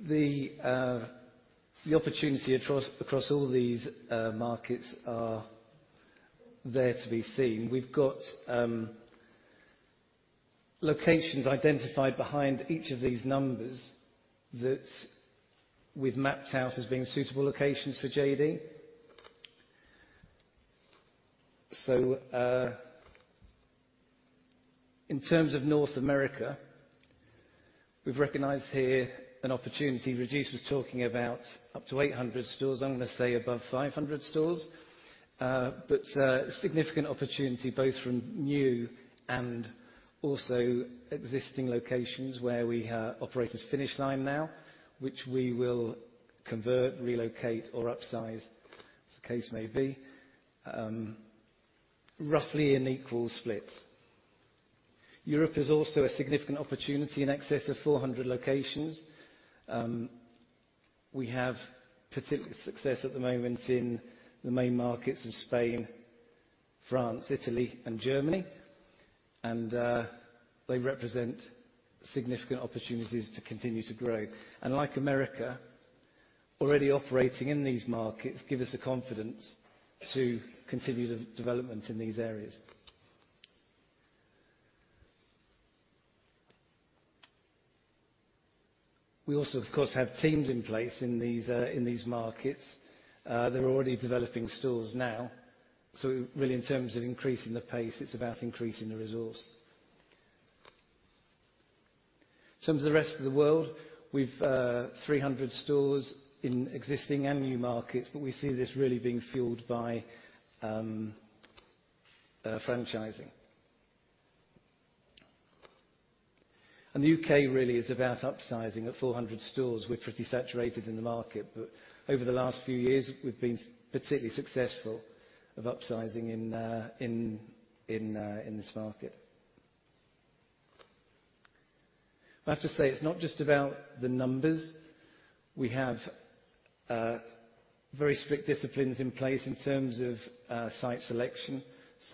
The opportunity across all these markets are there to be seen. We've got locations identified behind each of these numbers that we've mapped out as being suitable locations for JD. In terms of North America, we've recognized here an opportunity. Régis was talking about up to 800 stores. I'm gonna say above 500 stores. A significant opportunity both from new and also existing locations where we operate as Finish Line now, which we will convert, relocate, or upsize as the case may be, roughly in equal splits. Europe is also a significant opportunity, in excess of 400 locations. We have particular success at the moment in the main markets in Spain, France, Italy, and Germany. They represent significant opportunities to continue to grow. Like America, already operating in these markets give us the confidence to continue the development in these areas. We also, of course, have teams in place in these in these markets. They're already developing stores now. Really in terms of increasing the pace, it's about increasing the resource. In terms of the rest of the world, we've 300 stores in existing and new markets, but we see this really being fueled by franchising. The U.K. really is about upsizing at 400 stores. We're pretty saturated in the market. Over the last few years, we've been particularly successful of upsizing in this market. I have to say, it's not just about the numbers. We have very strict disciplines in place in terms of site selection.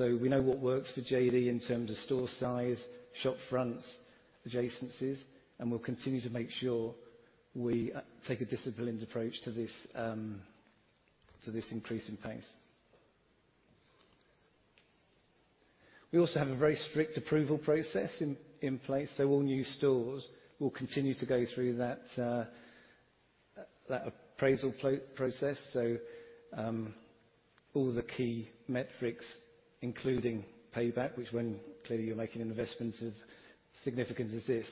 We know what works for JD in terms of store size, shop fronts, adjacencies, and we'll continue to make sure we take a disciplined approach to this increase in pace. We also have a very strict approval process in place. All new stores will continue to go through that appraisal process. All the key metrics, including payback, which when clearly you're making an investment of significance as this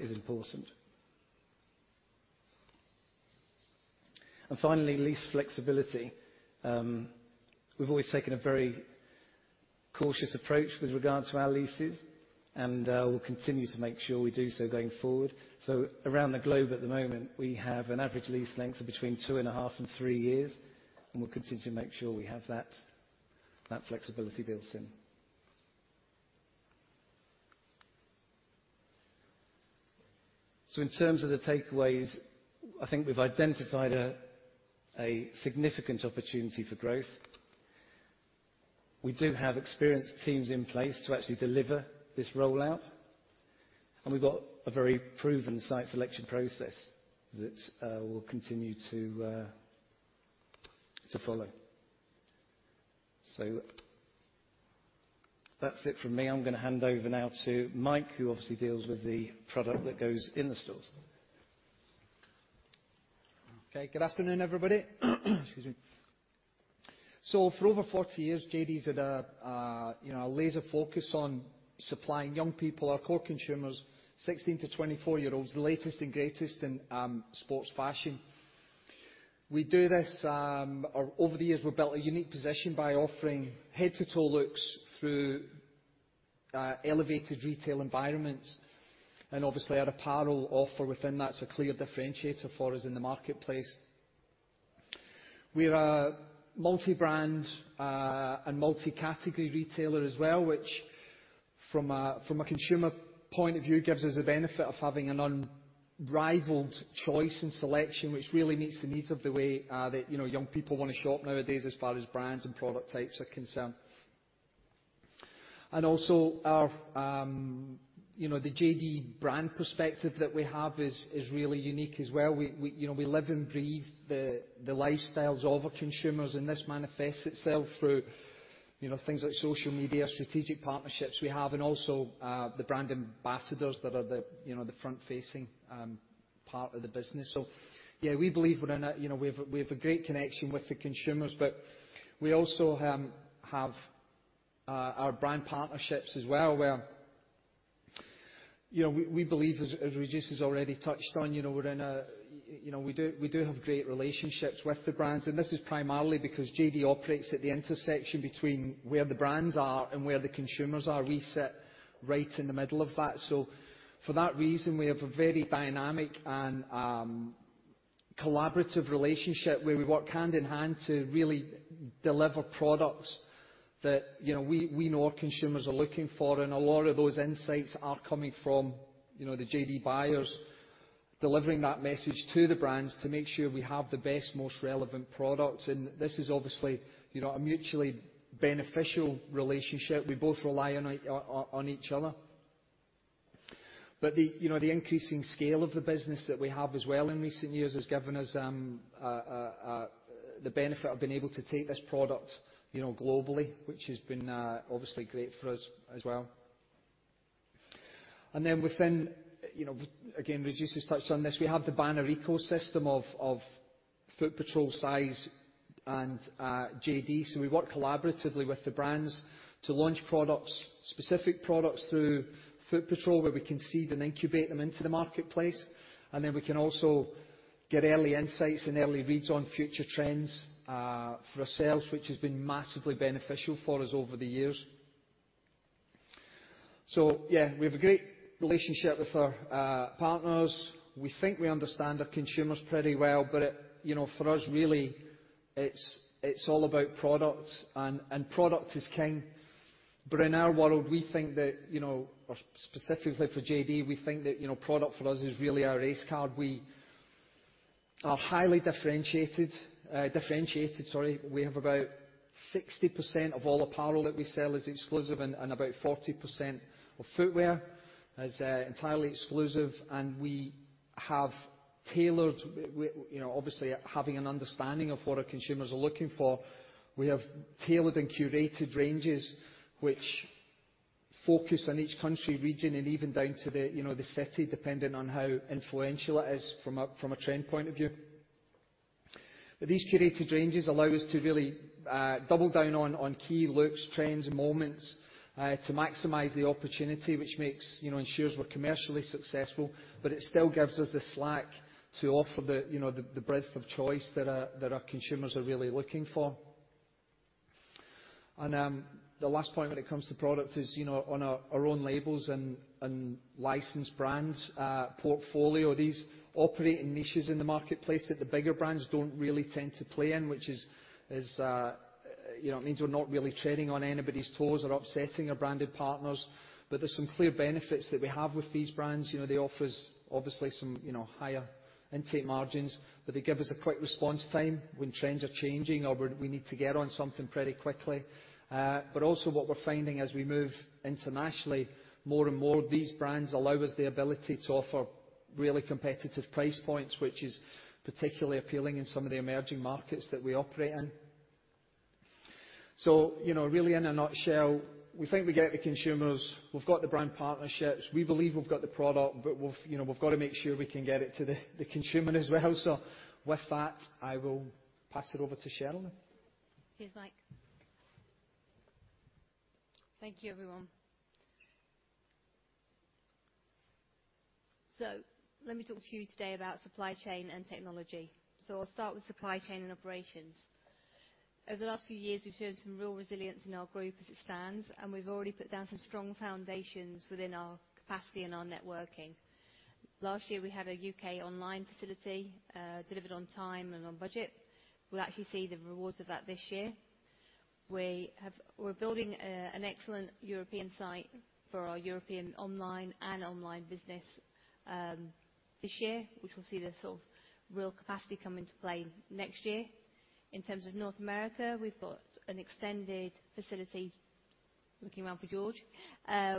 is important. Finally, lease flexibility. We've always taken a very cautious approach with regard to our leases, and we'll continue to make sure we do so going forward. Around the globe at the moment, we have an average lease length of between two and a half and three years, and we'll continue to make sure we have that flexibility built in. In terms of the takeaways, I think we've identified a significant opportunity for growth. We do have experienced teams in place to actually deliver this rollout, and we've got a very proven site selection process that we'll continue to follow. That's it from me. I'm gonna hand over now to Mike, who obviously deals with the product that goes in the stores. Okay. Good afternoon, everybody. Excuse me. For over 40 years, JD's had a, you know, a laser focus on supplying young people, our core consumers, 16-24-year-olds, the latest and greatest in sports fashion. Over the years, we've built a unique position by offering head-to-toe looks through elevated retail environments and obviously our apparel offer within that's a clear differentiator for us in the marketplace. We are a multi-brand and multi-category retailer as well, which from a, from a consumer point of view, gives us the benefit of having an unrivaled choice and selection which really meets the needs of the way that, you know, young people wanna shop nowadays as far as brands and product types are concerned. Also our, you know, the JD brand perspective that we have is really unique as well. We, you know, we live and breathe the lifestyles of our consumers, and this manifests itself through, you know, things like social media, strategic partnerships we have, and also the brand ambassadors that are the, you know, the front-facing part of the business. Yeah, we believe we're in a, you know, we've a great connection with the consumers, but we also have our brand partnerships as well, where, you know, we believe, as Régis has already touched on, you know, we're in a, you know, we do have great relationships with the brands, and this is primarily because JD operates at the intersection between where the brands are and where the consumers are. We sit right in the middle of that. For that reason, we have a very dynamic and collaborative relationship where we work hand-in-hand to really deliver products that, you know, we know our consumers are looking for, and a lot of those insights are coming from, you know, the JD buyers delivering that message to the brands to make sure we have the best, most relevant products. This is obviously, you know, a mutually beneficial relationship. We both rely on each other. The, you know, the increasing scale of the business that we have as well in recent years has given us the benefit of being able to take this product, you know, globally, which has been obviously great for us as well. Within, you know, again, Régis has touched on this, we have the banner ecosystem of Footpatrol, size? and JD. We work collaboratively with the brands to launch products, specific products through Footpatrol, where we can seed and incubate them into the marketplace, and then we can also get early insights and early reads on future trends for ourselves, which has been massively beneficial for us over the years. Yeah, we have a great relationship with our partners. We think we understand our consumers pretty well, it, you know, for us really it's all about product and product is king. In our world, we think that, you know, or specifically for JD, we think that, you know, product for us is really our ace card. We are highly differentiated, sorry. We have about 60% of all apparel that we sell is exclusive and about 40% of footwear is entirely exclusive. We have tailored, you know, obviously having an understanding of what our consumers are looking for, we have tailored and curated ranges which focus on each country, region, and even down to the, you know, the city, depending on how influential it is from a, from a trend point of view. These curated ranges allow us to really double down on key looks, trends, moments to maximize the opportunity, which makes, you know, ensures we're commercially successful, but it still gives us the slack to offer the, you know, the breadth of choice that our, that our consumers are really looking for. The last point when it comes to product is, you know, on our own labels and licensed brands portfolio, these operate in niches in the marketplace that the bigger brands don't really tend to play in, which is, you know, it means we're not really treading on anybody's toes or upsetting our branded partners. There's some clear benefits that we have with these brands. You know, they offer us obviously some, you know, higher intake margins, but they give us a quick response time when trends are changing or when we need to get on something pretty quickly. Also what we're finding as we move internationally more and more, these brands allow us the ability to offer really competitive price points, which is particularly appealing in some of the emerging markets that we operate in. You know, really in a nutshell, we think we get the consumers. We've got the brand partnerships. We believe we've got the product, but we've, you know, we've got to make sure we can get it to the consumer as well. With that, I will pass it over to Sherilyn. Cheers, Mike. Thank you, everyone. Let me talk to you today about supply chain and technology. I'll start with supply chain and operations. Over the last few years, we've shown some real resilience in our group as it stands, and we've already put down some strong foundations within our capacity and our networking. Last year, we had a U.K. online facility delivered on time and on budget. We'll actually see the rewards of that this year. We're building an excellent European site for our European online and online business this year, which will see the sort of real capacity come into play next year. In terms of North America, we've got an extended facility, looking around for George,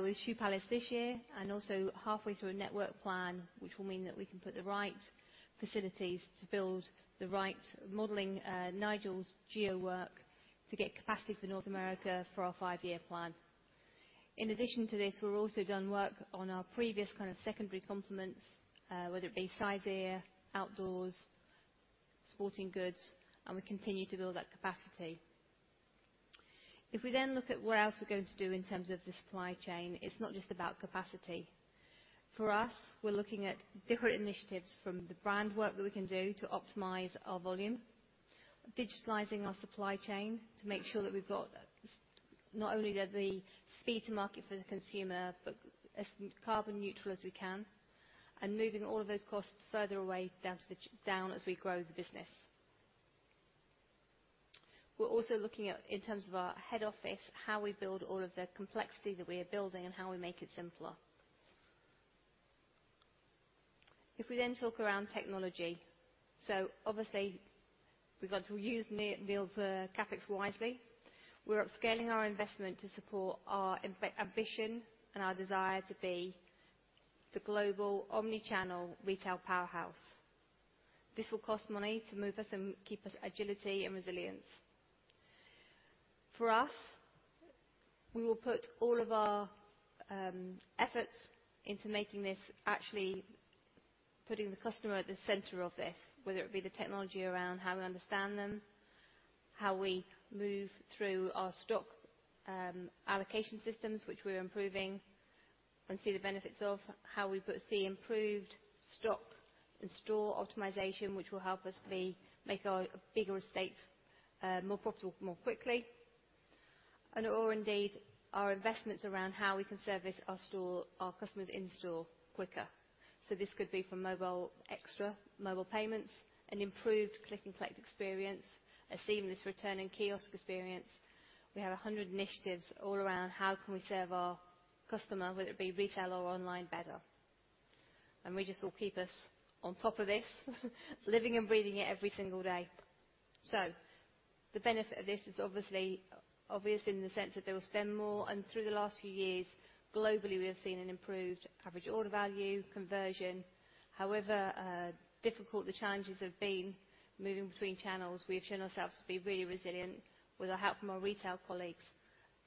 with Shoe Palace this year, also halfway through a network plan, which will mean that we can put the right facilities to build the right modeling, Nigel's geo work to get capacity for North America for our five year plan. In addition to this, we've also done work on our previous kind of secondary complements, whether it be size?, Go Outdoors, sporting goods, and we continue to build that capacity. We then look at what else we're going to do in terms of the supply chain. It's not just about capacity. For us, we're looking at different initiatives from the brand work that we can do to optimize our volume. Digitalizing our supply chain to make sure that we've got not only the speed to market for the consumer, but as carbon neutral as we can, and moving all of those costs further away down as we grow the business. We're also looking at, in terms of our head office, how we build all of the complexity that we are building and how we make it simpler. Obviously, we've got to use me-build CapEx wisely. We're upscaling our investment to support our, in fact, ambition and our desire to be the global omnichannel retail powerhouse. This will cost money to move us and keep us agility and resilience. For us, we will put all of our efforts into making this actually putting the customer at the center of this, whether it be the technology around how we understand them, how we move through our stock allocation systems, which we're improving and see the benefits of. How we see improved stock and store optimization, which will help us make our bigger estates more profitable more quickly. Or indeed, our investments around how we can service our customers in store quicker. This could be from mobile extra, mobile payments, an improved click and collect experience, a seamless return and kiosk experience. We have 100 initiatives all around how can we serve our customer, whether it be retail or online, better. We just will keep us on top of this living and breathing it every single day. The benefit of this is obviously, obvious in the sense that they will spend more. Through the last few years, globally, we have seen an improved average order value conversion. However, difficult the challenges have been moving between channels, we have shown ourselves to be really resilient with the help from our retail colleagues,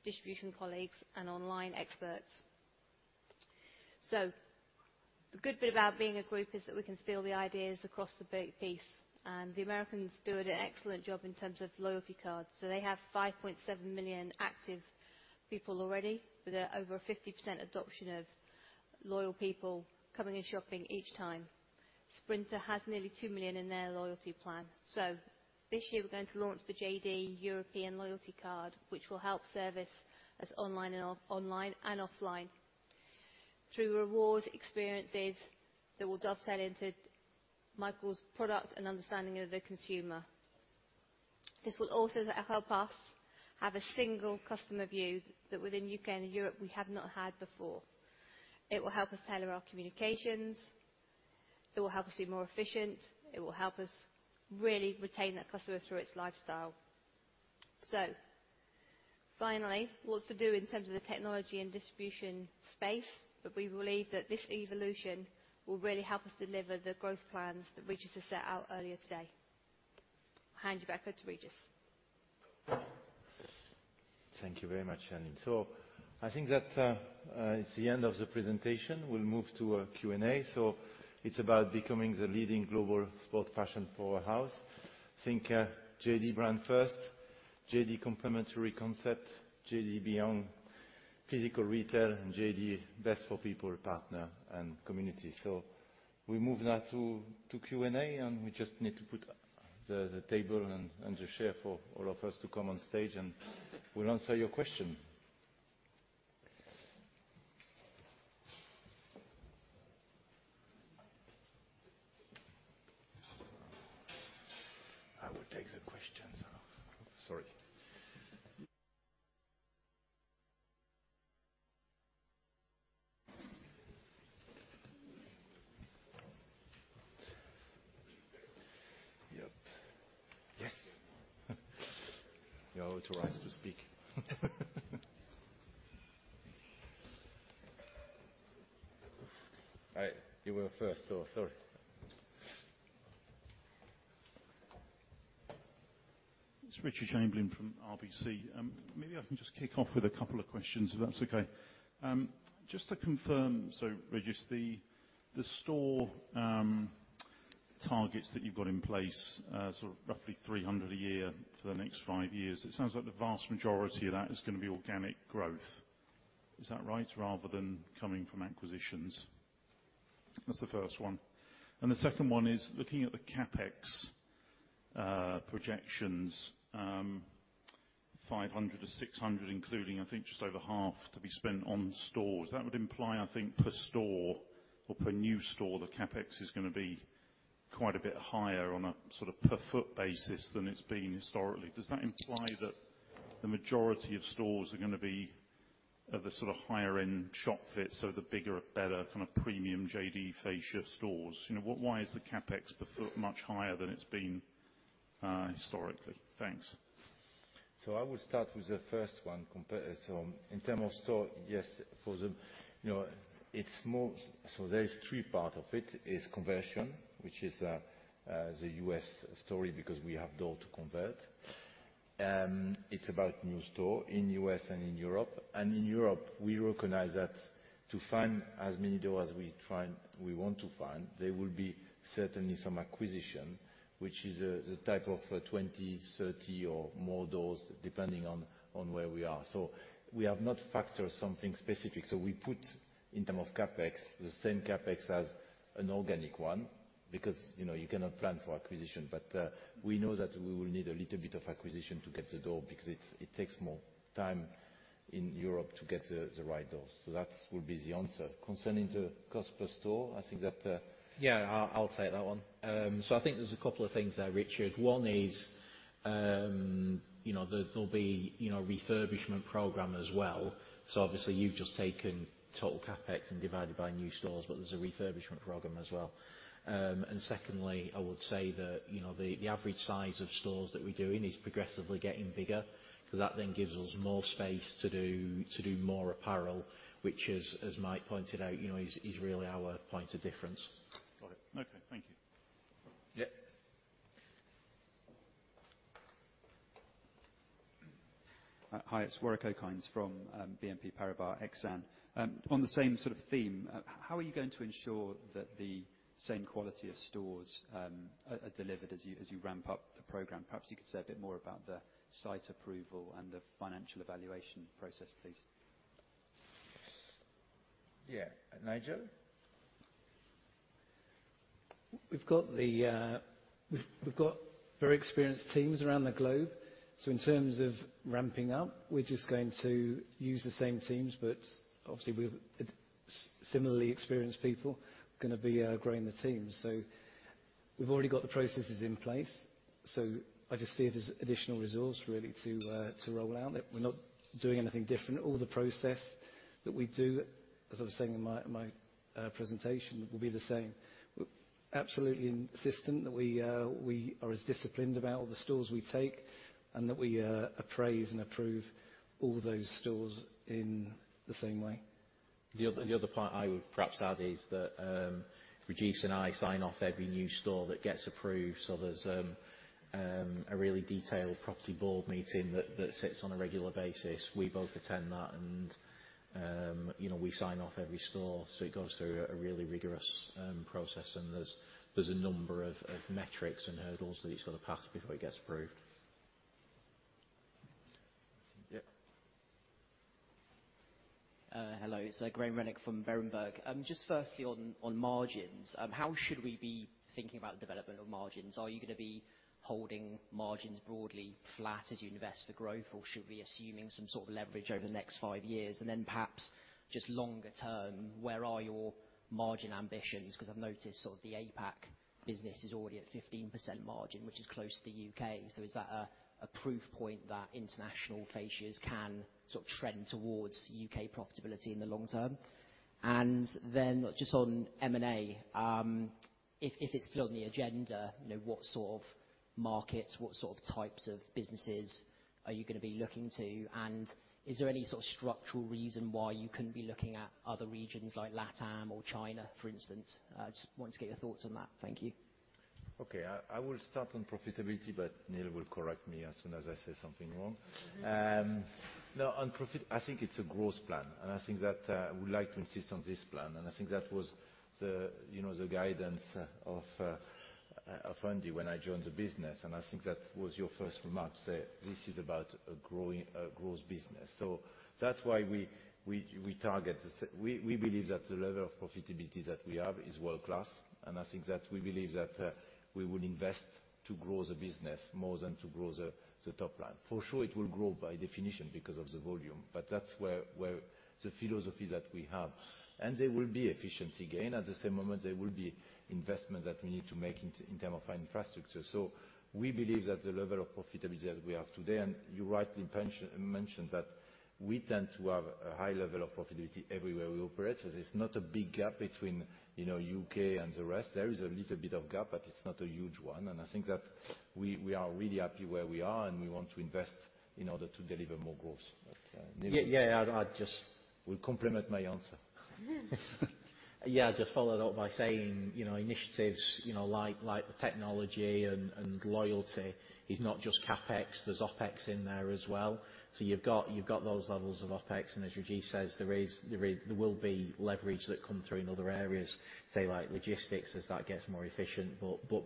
distribution colleagues, and online experts. The good bit about being a group is that we can steal the ideas across the piece, and the Americans do an excellent job in terms of loyalty cards. They have 5.7 million active people already, with over 50% adoption of loyal people coming and shopping each time. Sprinter has nearly 2 million in their loyalty plan. This year, we're going to launch the JD European loyalty card, which will help service us online and offline through rewards, experiences that will dovetail into Michael's product and understanding of the consumer. This will also help us have a single customer view that within U.K. and Europe we have not had before. It will help us tailor our communications. It will help us be more efficient. It will help us really retain that customer through its lifestyle. Finally, what to do in terms of the technology and distribution space, but we believe that this evolution will really help us deliver the growth plans that Régis has set out earlier today. Hand you back over to Régis. Thank you very much, Helen. I think that it's the end of the presentation. We'll move to a Q&A. It's about becoming the leading global sports fashion powerhouse. Think JD brand first, JD complementary concept, JD beyond physical retail, and JD best for people, partner, and community. We move now to Q&A, and we just need to put the table and the chair for all of us to come on stage, and we'll answer your question. I will take the questions. Sorry. Yep. Yes. You are authorized to speak. All right, you were first, so sorry. It's Richard Chamberlain from RBC Capital Markets. Maybe I can just kick off with a couple of questions, if that's okay. Just to confirm, Régis, the store, targets that you've got in place, sort of roughly 300 a year for the next five years, it sounds like the vast majority of that is gonna be organic growth. Is that right? Rather than coming from acquisitions. That's the first one. The second one is looking at the CapEx projections, 500 million-600 million including, I think just over half to be spent on stores. That would imply, I think per store or per new store, the CapEx is gonna be quite a bit higher on a sort of per foot basis than it's been historically. Does that imply that the majority of stores are gonna be at the sort of higher end shop fit, so the bigger, better kind of premium JD fascia stores? You know, Why is the CapEx per foot much higher than it's been historically? Thanks. I would start with the first one compared. In term of store, yes, for the, you know, it's more... There is three part of it. Is conversion, which is the U.S. story because we have door to convert. It's about new store in U.S. and in Europe. In Europe, we recognize that to find as many door as we try and we want to find, there will be certainly some acquisition, which is the type of 20, 30 or more doors depending on where we are. We have not factored something specific. We put in term of CapEx, the same CapEx as an organic one because, you know, you cannot plan for acquisition. We know that we will need a little bit of acquisition to get the door because it takes more time in Europe to get the right doors. That will be the answer. Concerning the cost per store, I think that. Yeah. I'll take that one. I think there's a couple of things there, Richard. One is, you know, there'll be, you know, refurbishment program as well. Obviously you've just taken total CapEx and divided by new stores, but there's a refurbishment program as well. Secondly, I would say that, you know, the average size of stores that we're doing is progressively getting bigger, so that then gives us more space to do more apparel, which as Mike pointed out, you know, is really our point of difference. Got it. Okay. Thank you. Yeah. Hi, it's Warwick Okines from BNP Paribas Exane. On the same sort of theme, how are you going to ensure that the same quality of stores are delivered as you ramp up the program? Perhaps you could say a bit more about the site approval and the financial evaluation process, please. Yeah. Nigel? We've got very experienced teams around the globe. In terms of ramping up, we're just going to use the same teams, but obviously with similarly experienced people. We're gonna be growing the teams. We've already got the processes in place, so I just see it as additional resource really to roll out. We're not doing anything different. All the process that we do, as I was saying in my presentation, will be the same. We're absolutely insistent that we are as disciplined about all the stores we take and that we appraise and approve all those stores in the same way. The other part I would perhaps add is that Régis and I sign off every new store that gets approved, so there's a really detailed property board meeting that sits on a regular basis. We both attend that and, you know, we sign off every store. It goes through a really rigorous process and there's a number of metrics and hurdles that it's got to pass before it gets approved. Yeah. Hello. It's Graham Renwick from Berenberg. Just firstly on margins, how should we be thinking about the development of margins? Are you gonna be holding margins broadly flat as you invest for growth? Or should we be assuming some sort of leverage over the next five years? Perhaps just longer term, where are your margin ambitions? 'Cause I've noticed sort of the APAC business is already at 15% margin, which is close to the U.K. Is that a proof point that international fascias can sort of trend towards U.K. profitability in the long term? Just on M&A, if it's still on the agenda, you know, what sort of markets, what sort of types of businesses are you gonna be looking to? Is there any sort of structural reason why you couldn't be looking at other regions like LATAM or China, for instance? I just wanted to get your thoughts on that. Thank you. Okay. I will start on profitability, but Neil will correct me as soon as I say something wrong. No, on profit, I think it's a growth plan, and I think that I would like to insist on this plan. I think that was the, you know, the guidance of Andy when I joined the business, and I think that was your first remark, say, "This is about a growing, a growth business." That's why we target We believe that the level of profitability that we have is world-class, and I think that we believe that we will invest to grow the business more than to grow the top line. For sure it will grow by definition because of the volume, but that's where the philosophy that we have. There will be efficiency gain. At the same moment, there will be investment that we need to make in term of infrastructure. We believe that the level of profitability that we have today, and you rightly mentioned that we tend to have a high level of profitability everywhere we operate. There's not a big gap between, you know, U.K. and the rest. There is a little bit of gap, but it's not a huge one, and I think that we are really happy where we are, and we want to invest in order to deliver more growth. Neil. Yeah, Will complement my answer. Yeah, I'd just follow it up by saying, you know, initiatives, you know, like the technology and loyalty is not just CapEx, there's OpEx in there as well. You've got those levels of OpEx, and as Régis says, there is. There will be leverage that come through in other areas, say like logistics as that gets more efficient.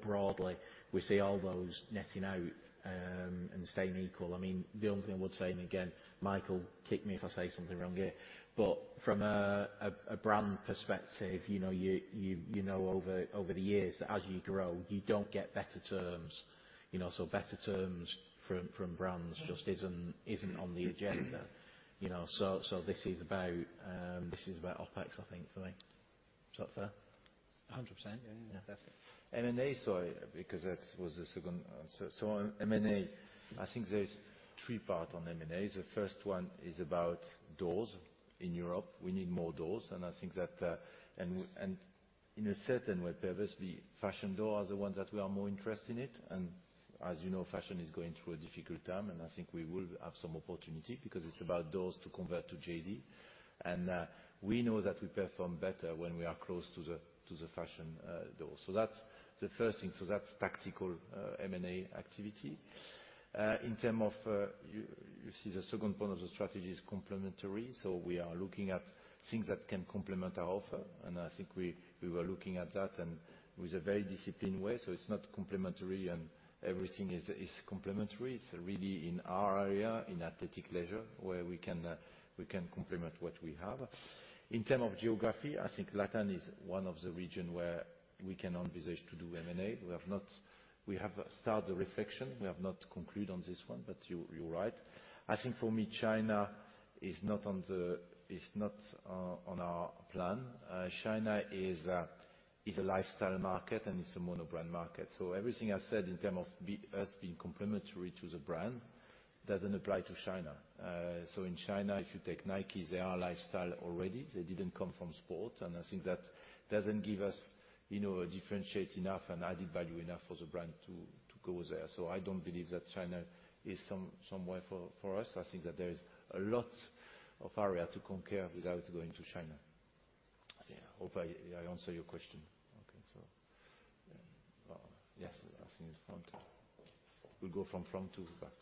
Broadly, we see all those netting out and staying equal. I mean, the only thing I would say, and again, Michael, kick me if I say something wrong here, but from a brand perspective, you know, you know over the years that as you grow, you don't get better terms. You know, better terms from brands just isn't on the agenda. You know, this is about OpEx, I think, for me. Is that fair? 100%. Yeah, yeah, definitely. M&A, sorry, because that was the second answer. On M&A, I think there is three part on M&A. The first one is about doors in Europe. We need more doors, I think that. In a certain way, previously, fashion door are the ones that we are more interested in it. As you know, fashion is going through a difficult time, I think we will have some opportunity because it's about doors to convert to JD. We know that we perform better when we are close to the, to the fashion, door. That's the first thing. That's tactical, M&A activity. In term of, you see the second point of the strategy is complementary. We are looking at things that can complement our offer, and I think we were looking at that and with a very disciplined way. It's not complementary and everything is complementary. It's really in our area, in athleisure, where we can complement what we have. In term of geography, I think LATAM is one of the region where we can envisage to do M&A. We have started the reflection. We have not concluded on this one, but you're right. I think for me, China is not on our plan. China is a lifestyle market and it's a monobrand market. Everything I said in term of us being complementary to the brand doesn't apply to China. In China, if you take Nike, they are lifestyle already. They didn't come from sport. I think that doesn't give us, you know, a differentiate enough and added value enough for the brand to go there. I don't believe that China is some way for us. I think that there is a lot of area to conquer without going to China. I hope I answer your question. Okay, yes, I think it's front. We'll go from front to back.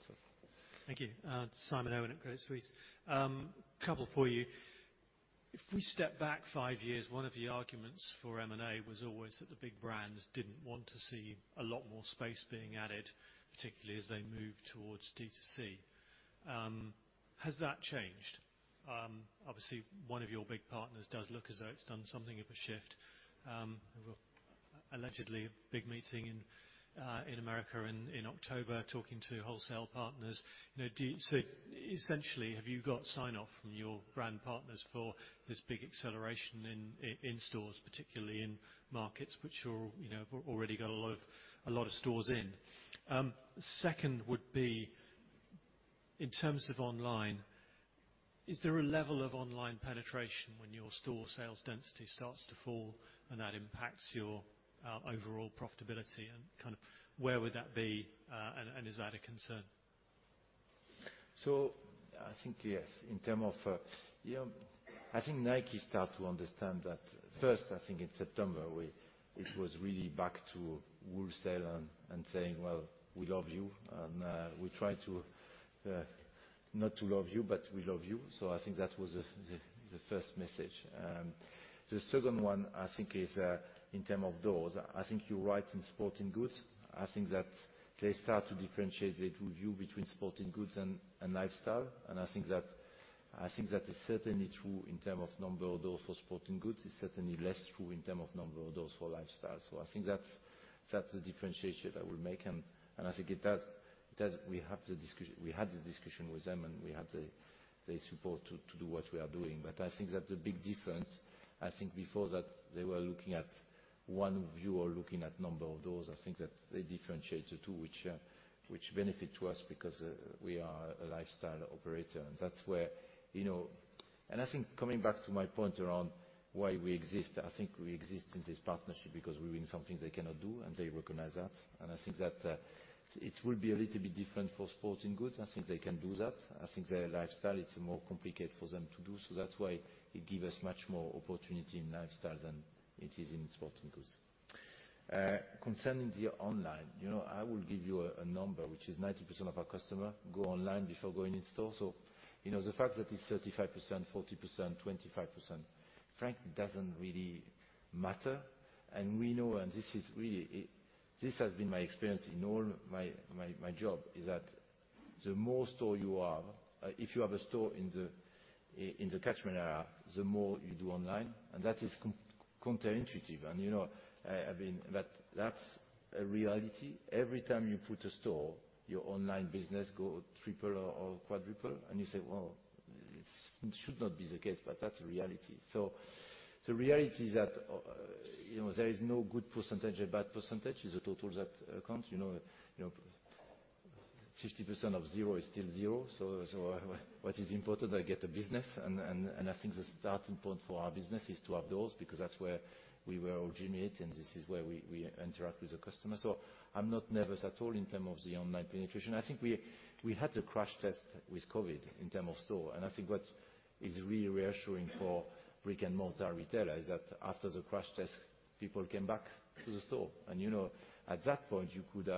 Thank you. Simon Irwin at Credit Suisse. Couple for you. If we step back five years, one of the arguments for M&A was always that the big brands didn't want to see a lot more space being added, particularly as they moved towards DTC. Has that changed? Obviously, one of your big partners does look as though it's done something of a shift. Allegedly a big meeting in America in October, talking to wholesale partners. You know, essentially, have you got sign-off from your brand partners for this big acceleration in stores, particularly in markets which you're, you know, have already got a lot of stores in? Second would be, in terms of online, is there a level of online penetration when your store sales density starts to fall and that impacts your overall profitability and kind of where would that be, and is that a concern? I think yes, in term of, you know, I think Nike start to understand that first. I think in September, it was really back to wholesale and saying, "Well, we love you, and, we try to, not to love you, but we love you." I think that was the, the first message. The second one I think is, in term of doors. I think you're right in sporting goods. I think that they start to differentiate the two view between sporting goods and lifestyle. I think that, I think that is certainly true in term of number of doors for sporting goods. It's certainly less true in term of number of doors for lifestyle. I think that's the differentiation I will make. I think it has... We had the discussion with them and we have the support to do what we are doing. I think that's a big difference. I think before that they were looking at one viewer looking at number of doors. I think that they differentiate the two which benefit to us because we are a lifestyle operator. That's where, you know. I think coming back to my point around why we exist, I think we exist in this partnership because we win some things they cannot do, and they recognize that. I think that it will be a little bit different for sporting goods. I think they can do that. I think their lifestyle, it's more complicated for them to do so. That's why it give us much more opportunity in lifestyle than it is in sporting goods. Concerning the online, you know, I will give you a number which is 90% of our customer go online before going in store. You know, the fact that it's 35%, 40%, 25% frankly doesn't really matter. We know, and this is really, this has been my experience in all my job is that the more store you have, if you have a store in the catchment area, the more you do online. That is counterintuitive. You know, I mean, that's a reality. Every time you put a store, your online business go triple or quadruple, and you say, "Well, it should not be the case," but that's reality. The reality is that, you know, there is no good percentage or bad percentage. It's the total that counts. You know, 50% of zero is still zero. What is important, I get the business and I think the starting point for our business is to have doors because that's where we were originate, and this is where we interact with the customer. I'm not nervous at all in term of the online penetration. I think we had the crash test with COVID in term of store. I think what is really reassuring for brick-and-mortar retailer is that after the crash test, people came back to the store. You know, at that point you could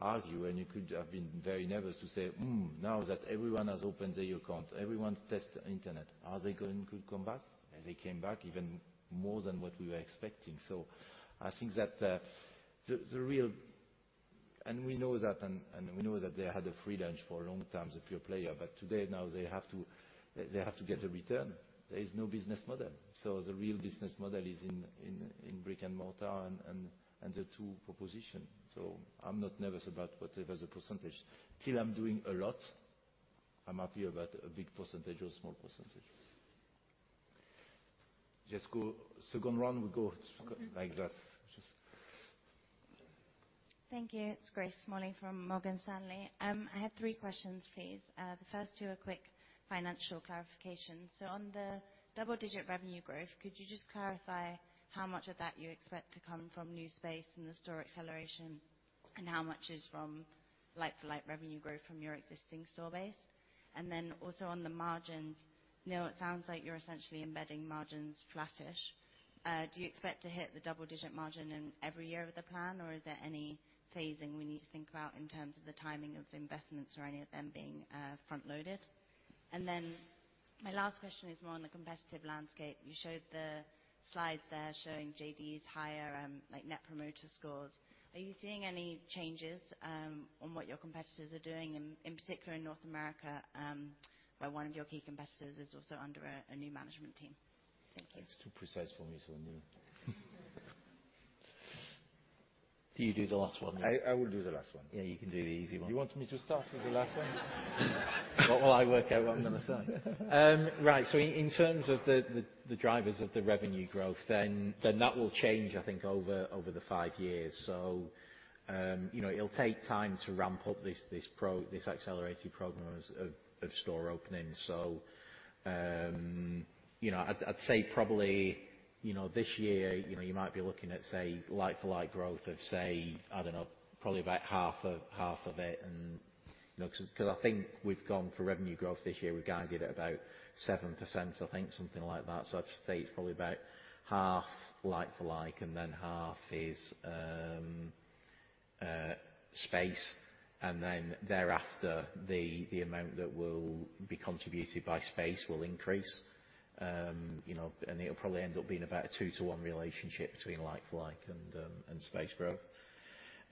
argue and you could have been very nervous to say, "Hmm, now that everyone has opened their account, everyone test internet, are they going to come back?" They came back even more than what we were expecting. I think that the real... We know that, and we know that they had a free lunch for a long time, the pure player. Today now they have to get a return. There is no business model. The real business model is in brick and mortar and the two proposition. I'm not nervous about whatever the percentage. Still I'm doing a lot. I'm happy about a big percentage or small percentage. Just go second round, we go like that. Thank you. It's Grace Smalley from Morgan Stanley. I have three questions, please. The first two are quick financial clarification. On the double-digit revenue growth, could you just clarify how much of that you expect to come from new space and the store acceleration, and how much is from like-for-like revenue growth from your existing store base? Also on the margins, Neil, it sounds like you're essentially embedding margins flattish. Do you expect to hit the double-digit margin in every year of the plan, or is there any phasing we need to think about in terms of the timing of the investments or any of them being front-loaded? My last question is more on the competitive landscape. You showed the slides there showing JD's higher, like Net Promoter Scores. Are you seeing any changes on what your competitors are doing in particular in North America, where one of your key competitors is also under a new management team? Thank you. It's too precise for me, so, Neil... You do the last one. I will do the last one. Yeah, you can do the easy one. You want me to start with the last one? While I work out what I'm gonna say. Right. In terms of the drivers of the revenue growth, then that will change, I think, over the five years. You know, it'll take time to ramp up this accelerated program of store openings. You know, I'd say probably, you know, this year, you know, you might be looking at like for like growth of, I don't know, probably about half of, half of it. You know, 'cause I think we've gone for revenue growth this year, we've guided at about 7%, I think, something like that. I'd say it's probably about half like for like, and then half is space, and then thereafter, the amount that will be contributed by space will increase. You know, it'll probably end up being about a 2-to-1 relationship between like-for-like and space growth.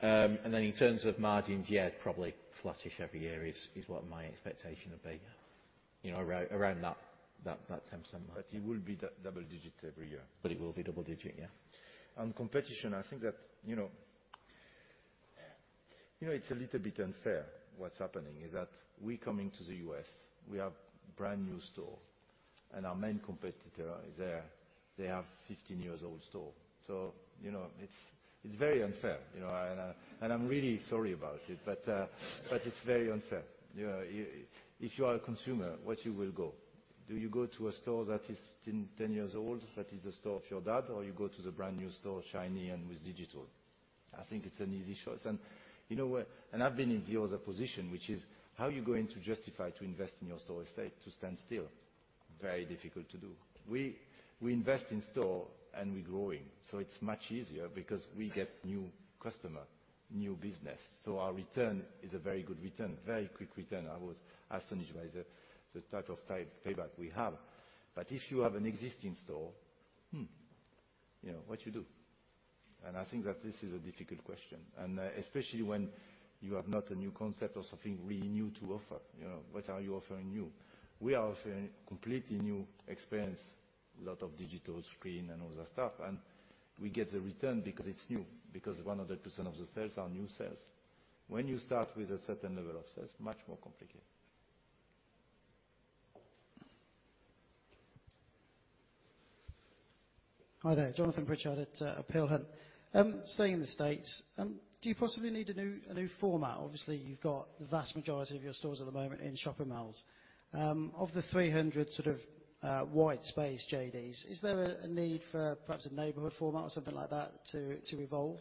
In terms of margins, yeah, probably flattish every year is what my expectation would be. You know, around that 10% mark. It will be double digit every year. It will be double digit, yeah. On competition, I think that, you know. You know, it's a little bit unfair what's happening, is that we come into the U.S., we have brand-new store, and our main competitor is there. They have 15 years old store. You know, it's very unfair, you know. I'm really sorry about it, but it's very unfair. You know, if you are a consumer, where you will go? Do you go to a store that is 10 years old, that is the store of your dad, or you go to the brand-new store, shiny and with digital? I think it's an easy choice. You know what? I've been in the other position, which is how are you going to justify to invest in your store estate to stand still? Very difficult to do. We invest in store and we're growing, it's much easier because we get new customer, new business, our return is a very good return, very quick return. I was astonished by the type of payback we have. If you have an existing store, you know, what you do? I think that this is a difficult question, especially when you have not a new concept or something really new to offer, you know, what are you offering new? We are offering completely new experience, a lot of digital screen and other stuff, and we get the return because it's new, because 100% of the sales are new sales. When you start with a certain level of sales, much more complicated. Hi there, Jonathan Pritchard at Peel Hunt. Staying in the States, do you possibly need a new, a new format? Obviously, you've got the vast majority of your stores at the moment in shopping malls. Of the 300 sort of, white space JDs, is there a need for perhaps a neighborhood format or something like that to evolve?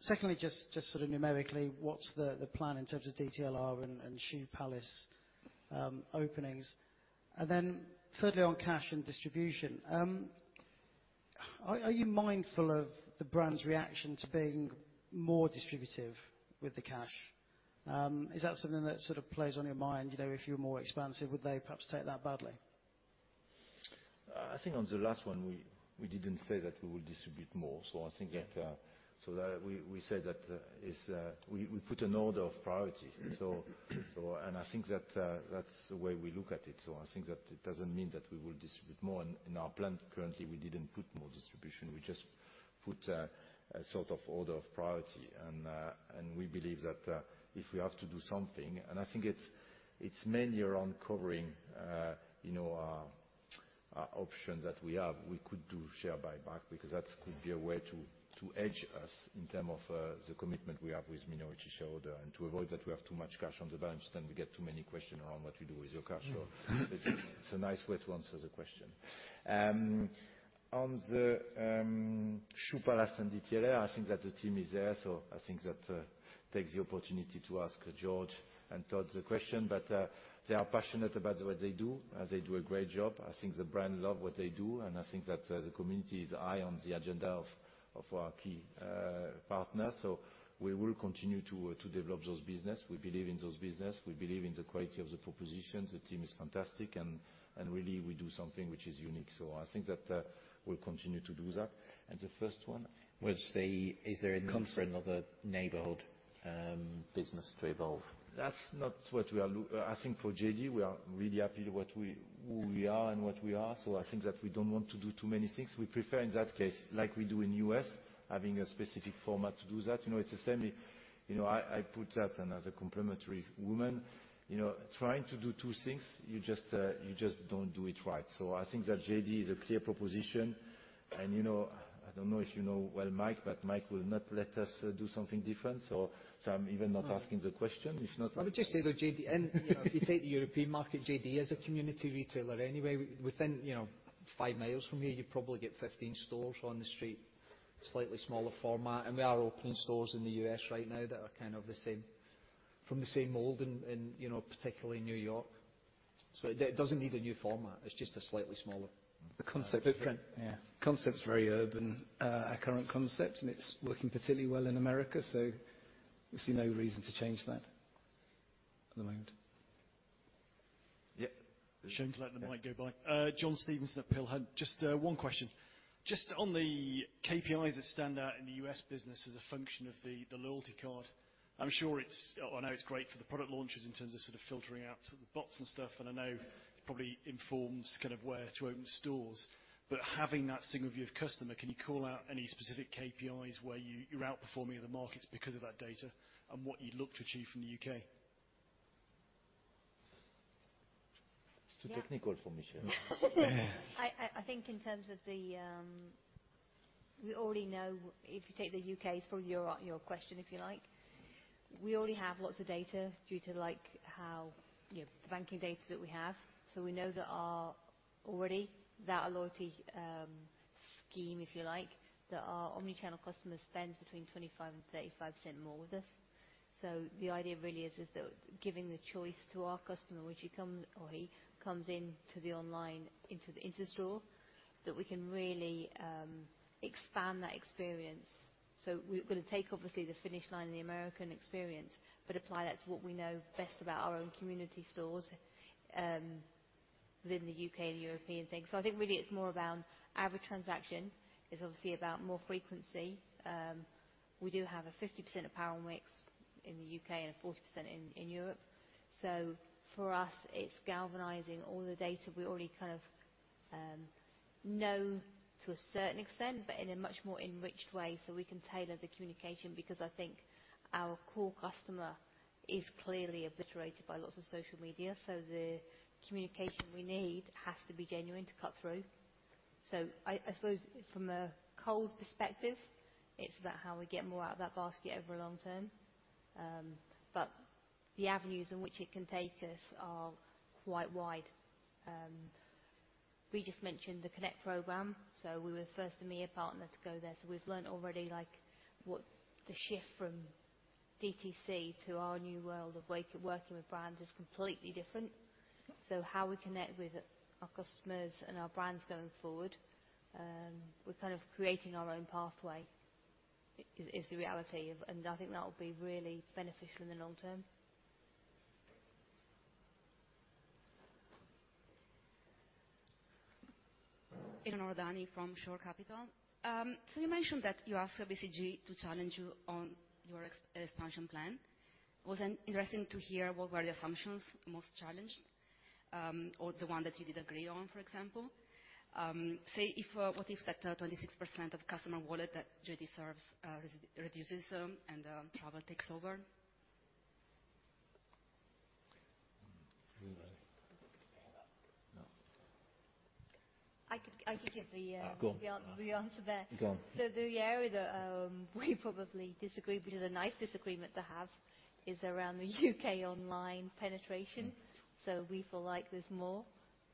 Secondly, just sort of numerically, what's the plan in terms of DTLR and Shoe Palace openings? Thirdly, on cash and distribution, are you mindful of the brand's reaction to being more distributive with the cash? Is that something that sort of plays on your mind? You know, if you're more expansive, would they perhaps take that badly? I think on the last one, we didn't say that we will distribute more. I think that, so that. We said that is, we put an order of priority. I think that's the way we look at it. I think that it doesn't mean that we will distribute more. In our plan currently, we didn't put more distribution. We just put a sort of order of priority, and we believe that, if we have to do something, and I think it's mainly around covering, you know, options that we have. We could do share buyback because that could be a way to edge us in term of the commitment we have with minority shareholder and to avoid that we have too much cash on the balance sheet and we get too many question around what you do with your cash flow. It's a nice way to answer the question. On the Shoe Palace and DTLR, I think that the team is there, so I think that take the opportunity to ask George and Todd the question. They are passionate about what they do, and they do a great job. I think the brand love what they do, and I think that the community is high on the agenda of our key partners. We will continue to develop those business. We believe in those business. We believe in the quality of the propositions. The team is fantastic and really we do something which is unique. I think that, we'll continue to do that. The first one? Well, say, is there a need for another neighborhood business to evolve? That's not what we are. I think for JD, we are really happy with what we, who we are and what we are. I think that we don't want to do too many things. We prefer, in that case, like we do in U.S., having a specific format to do that. You know, it's the same, you know, I put that another complimentary woman. You know, trying to do two things, you just don't do it right. I think that JD is a clear proposition. You know, I don't know if you know well Mike, but Mike will not let us do something different. I'm even not asking the question. It's not. I would just say though, JD, and, you know, if you take the European market, JD is a community retailer anyway. Within, you know, five miles from here, you'd probably get 15 stores on the street, slightly smaller format. We are opening stores in the U.S. right now that are kind of the same, from the same mold and you know, particularly New York. It doesn't need a new format. It's just a slightly smaller. The concept- Footprint. Yeah. Concept's very urban, our current concept, and it's working particularly well in America, so we see no reason to change that at the moment. Yeah. Shame to let the mic go by. John Stevenson at Peel Hunt. Just one question. Just on the KPIs that stand out in the U.S. business as a function of the loyalty card, I know it's great for the product launches in terms of sort of filtering out the bots and stuff, and I know it probably informs kind of where to open stores. Having that single view of customer, can you call out any specific KPIs where you're outperforming in the markets because of that data and what you'd look to achieve from the U.K.? It's too technical for Ms. Sherilyn. I think in terms of the. We already know if you take the U.K. for your question, if you like, we already have lots of data due to like how, you know, the banking data that we have. We know that our, already without a loyalty scheme, if you like, that our omnichannel customer spends between 25% and 35% more with us. The idea really is that giving the choice to our customer, when she comes or he comes into the online, into the in-store, that we can really expand that experience. We're gonna take obviously the Finish Line and the American experience, but apply that to what we know best about our own community stores within the U.K. and European thing. I think really it's more around average transaction. It's obviously about more frequency. We do have a 50% apparel mix in the U.K. and a 40% in Europe. For us, it's galvanizing all the data we already kind of know to a certain extent, but in a much more enriched way, so we can tailor the communication. I think our core customer is clearly obliterated by lots of social media, so the communication we need has to be genuine to cut through. I suppose from a cold perspective, it's about how we get more out of that basket over long term. The avenues in which it can take us are quite wide. We just mentioned the Connect program, so we were first EMEA partner to go there. We've learned already like what the shift from DTC to our new world of wake, working with brands is completely different. How we connect with our customers and our brands going forward, we're kind of creating our own pathway is the reality. I think that'll be really beneficial in the long term. Eleonora Dani from Shore Capital. You mentioned that you asked BCG to challenge you on your ex-expansion plan. Interesting to hear what were the assumptions most challenged, or the one that you did agree on, for example. Say if, what if that 26% of customer wallet that JD serves, reduces, and Travel takes over? Anybody? No. I could give the. Go on. the answer there. Go on. The area that we probably disagree, which is a nice disagreement to have, is around the U.K. online penetration. Mm-hmm. We feel like there's more.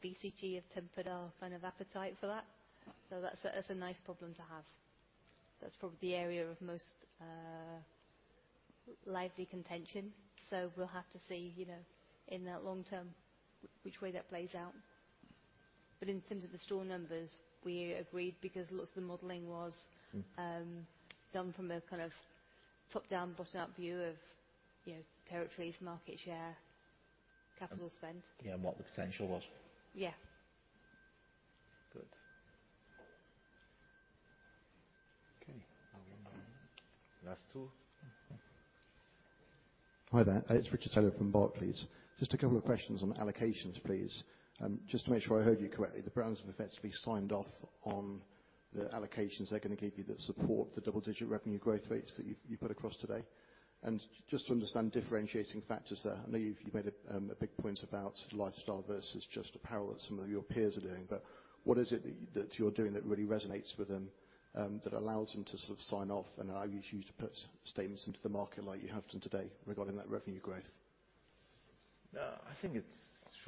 BCG have tempered our kind of appetite for that. That's a, that's a nice problem to have. That's probably the area of most lively contention. We'll have to see, you know, in the long term which way that plays out. In terms of the store numbers, we agreed, because lots of the modeling was- Mm-hmm done from a kind of top-down, bottom-up view of, you know, territories, market share, capital spend. Yeah, what the potential was. Yeah. Good. Okay. Last two. Hi there. It's Richard Taylor from Barclays. Just a couple of questions on allocations, please. Just to make sure I heard you correctly, the brands have effectively signed off on the allocations they're gonna give you that support the double-digit revenue growth rates that you put across today? Just to understand differentiating factors there. I know you've made a big point about lifestyle versus just apparel that some of your peers are doing. What is it that you're doing that really resonates with them, that allows them to sort of sign off and allows you to put statements into the market like you have done today regarding that revenue growth? I think it shows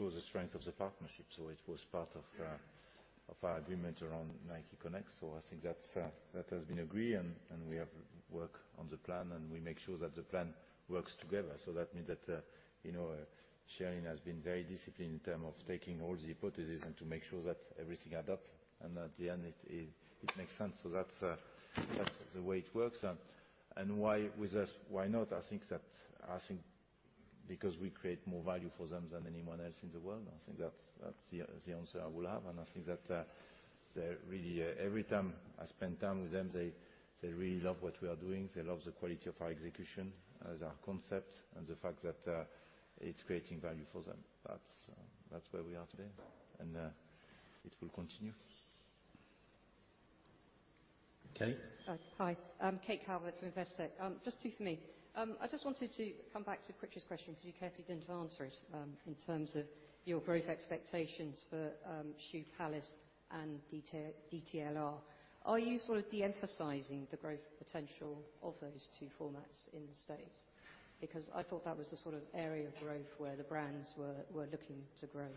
the strength of the partnership. It was part of our agreement around Nike Connect. I think that's that has been agreed and we have worked on the plan and we make sure that the plan works together. That means that, you know, Sherilyn has been very disciplined in term of taking all the hypothesis and to make sure that everything add up and at the end it makes sense. That's the way it works. Why with us? Why not? I think because we create more value for them than anyone else in the world. I think that's the answer I will have. I think that they're really, every time I spend time with them, they really love what we are doing. They love the quality of our execution, their concept and the fact that it's creating value for them. That's where we are today, and it will continue. Hi. Kate Calvert from Investec. Just two for me. I just wanted to come back to Pritchard's question because you carefully didn't answer it in terms of your growth expectations for Shoe Palace and DTLR. Are you sort of de-emphasizing the growth potential of those two formats in the States? I thought that was the sort of area of growth where the brands were looking to grow.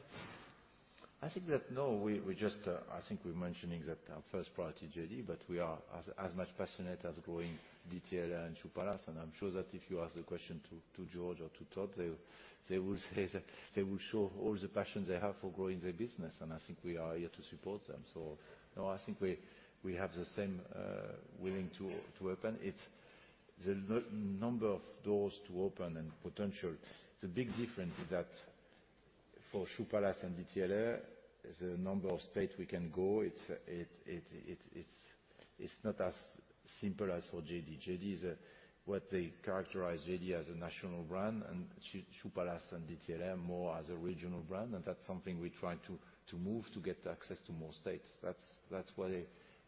I think that no, we just, I think we're mentioning that our first priority JD, but we are as much passionate as growing DTLR and Shoe Palace. I'm sure that if you ask the question to George or to Todd, they will say that they will show all the passion they have for growing their business, and I think we are here to support them. No, I think we have the same willing to open. It's the number of doors to open and potential. The big difference is that for Shoe Palace and DTLR is the number of state we can go. It's not as simple as for JD. JD is what they characterize JD as a national brand and Shoe Palace and DTLR more as a regional brand, and that's something we try to move to get access to more states. That's why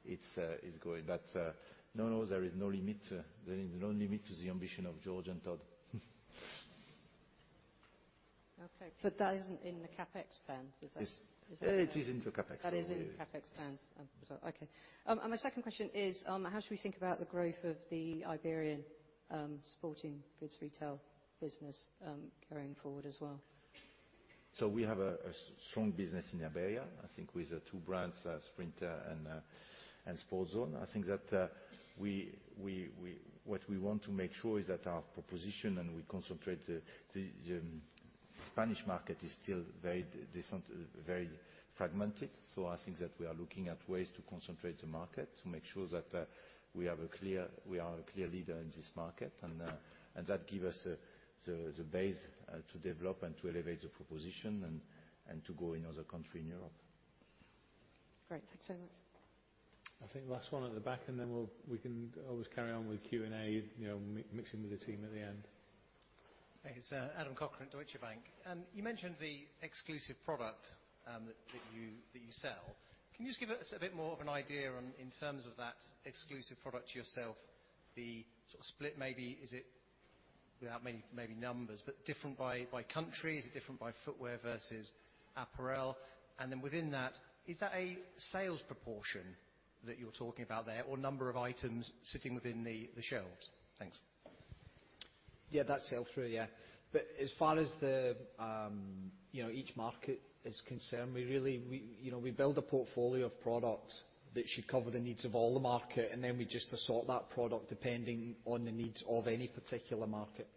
it's growing. No, there is no limit. There is no limit to the ambition of George and Todd. Okay. That isn't in the CapEx plans, is that? It's- Is that? It is in the CapEx plans. Yeah. That is in the CapEx plans. Okay. My second question is, how should we think about the growth of the Iberian sporting goods retail business going forward as well? We have a strong business in Iberia, I think with the two brands, Sprinter and Sport Zone. I think that we want to make sure is that our proposition and we concentrate, the Spanish market is still very fragmented. I think that we are looking at ways to concentrate the market to make sure that we have a clear, we are a clear leader in this market. That give us the base to develop and to elevate the proposition and to grow in other country in Europe. Great. Thanks so much. I think last one at the back, and then we'll, we can always carry on with Q&A, you know, mixing with the team at the end. Thanks. Adam Cochrane, Deutsche Bank. You mentioned the exclusive product that you sell. Can you just give us a bit more of an idea on, in terms of that exclusive product to yourself, the sort of split maybe? Is it, without maybe numbers, but different by country? Is it different by footwear versus apparel? Within that, is that a sales proportion that you're talking about there or number of items sitting within the shelves? Thanks. Yeah, that's sell through, yeah. As far as the, you know, each market is concerned, we really, you know, we build a portfolio of products that should cover the needs of all the market. We just assort that product depending on the needs of any particular market.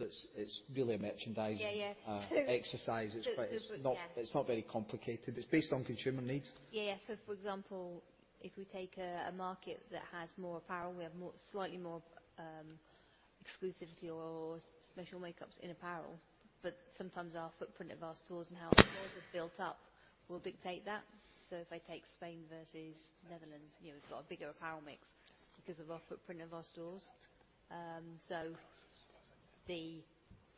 It's, it's really a merchandising. Yeah, yeah. exercise. Yeah. It's not, it's not very complicated. It's based on consumer needs. Yeah, yeah. For example, if we take a market that has more apparel, we have more, slightly more exclusivity or special makeups in apparel, sometimes our footprint of our stores and how our stores are built up will dictate that. If I take Spain versus Netherlands, you know, it's got a bigger apparel mix because of our footprint of our stores. The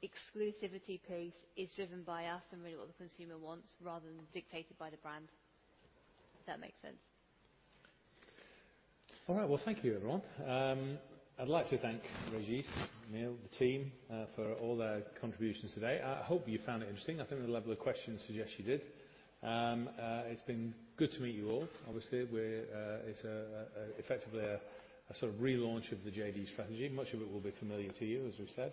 exclusivity piece is driven by us and really what the consumer wants rather than dictated by the brand. If that makes sense. All right. Well, thank you everyone. I'd like to thank Régis, Neil, the team, for all their contributions today. I hope you found it interesting. I think the level of questions suggests you did. It's been good to meet you all. Obviously, we're, it's effectively a sort of relaunch of the JD strategy. Much of it will be familiar to you, as we've said.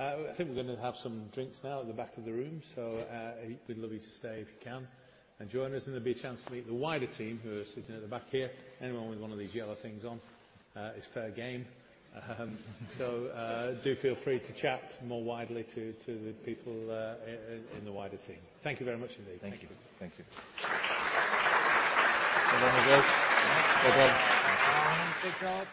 I think we're gonna have some drinks now at the back of the room, so it'd be lovely to stay if you can and join us, and there'll be a chance to meet the wider team who are sitting at the back here. Anyone with one of these yellow things on, is fair game. Do feel free to chat more widely to the people, in the wider team. Thank you very much indeed. Thank you. Thank you. Well done, Régis. Well done. Thanks. Well done, Neil.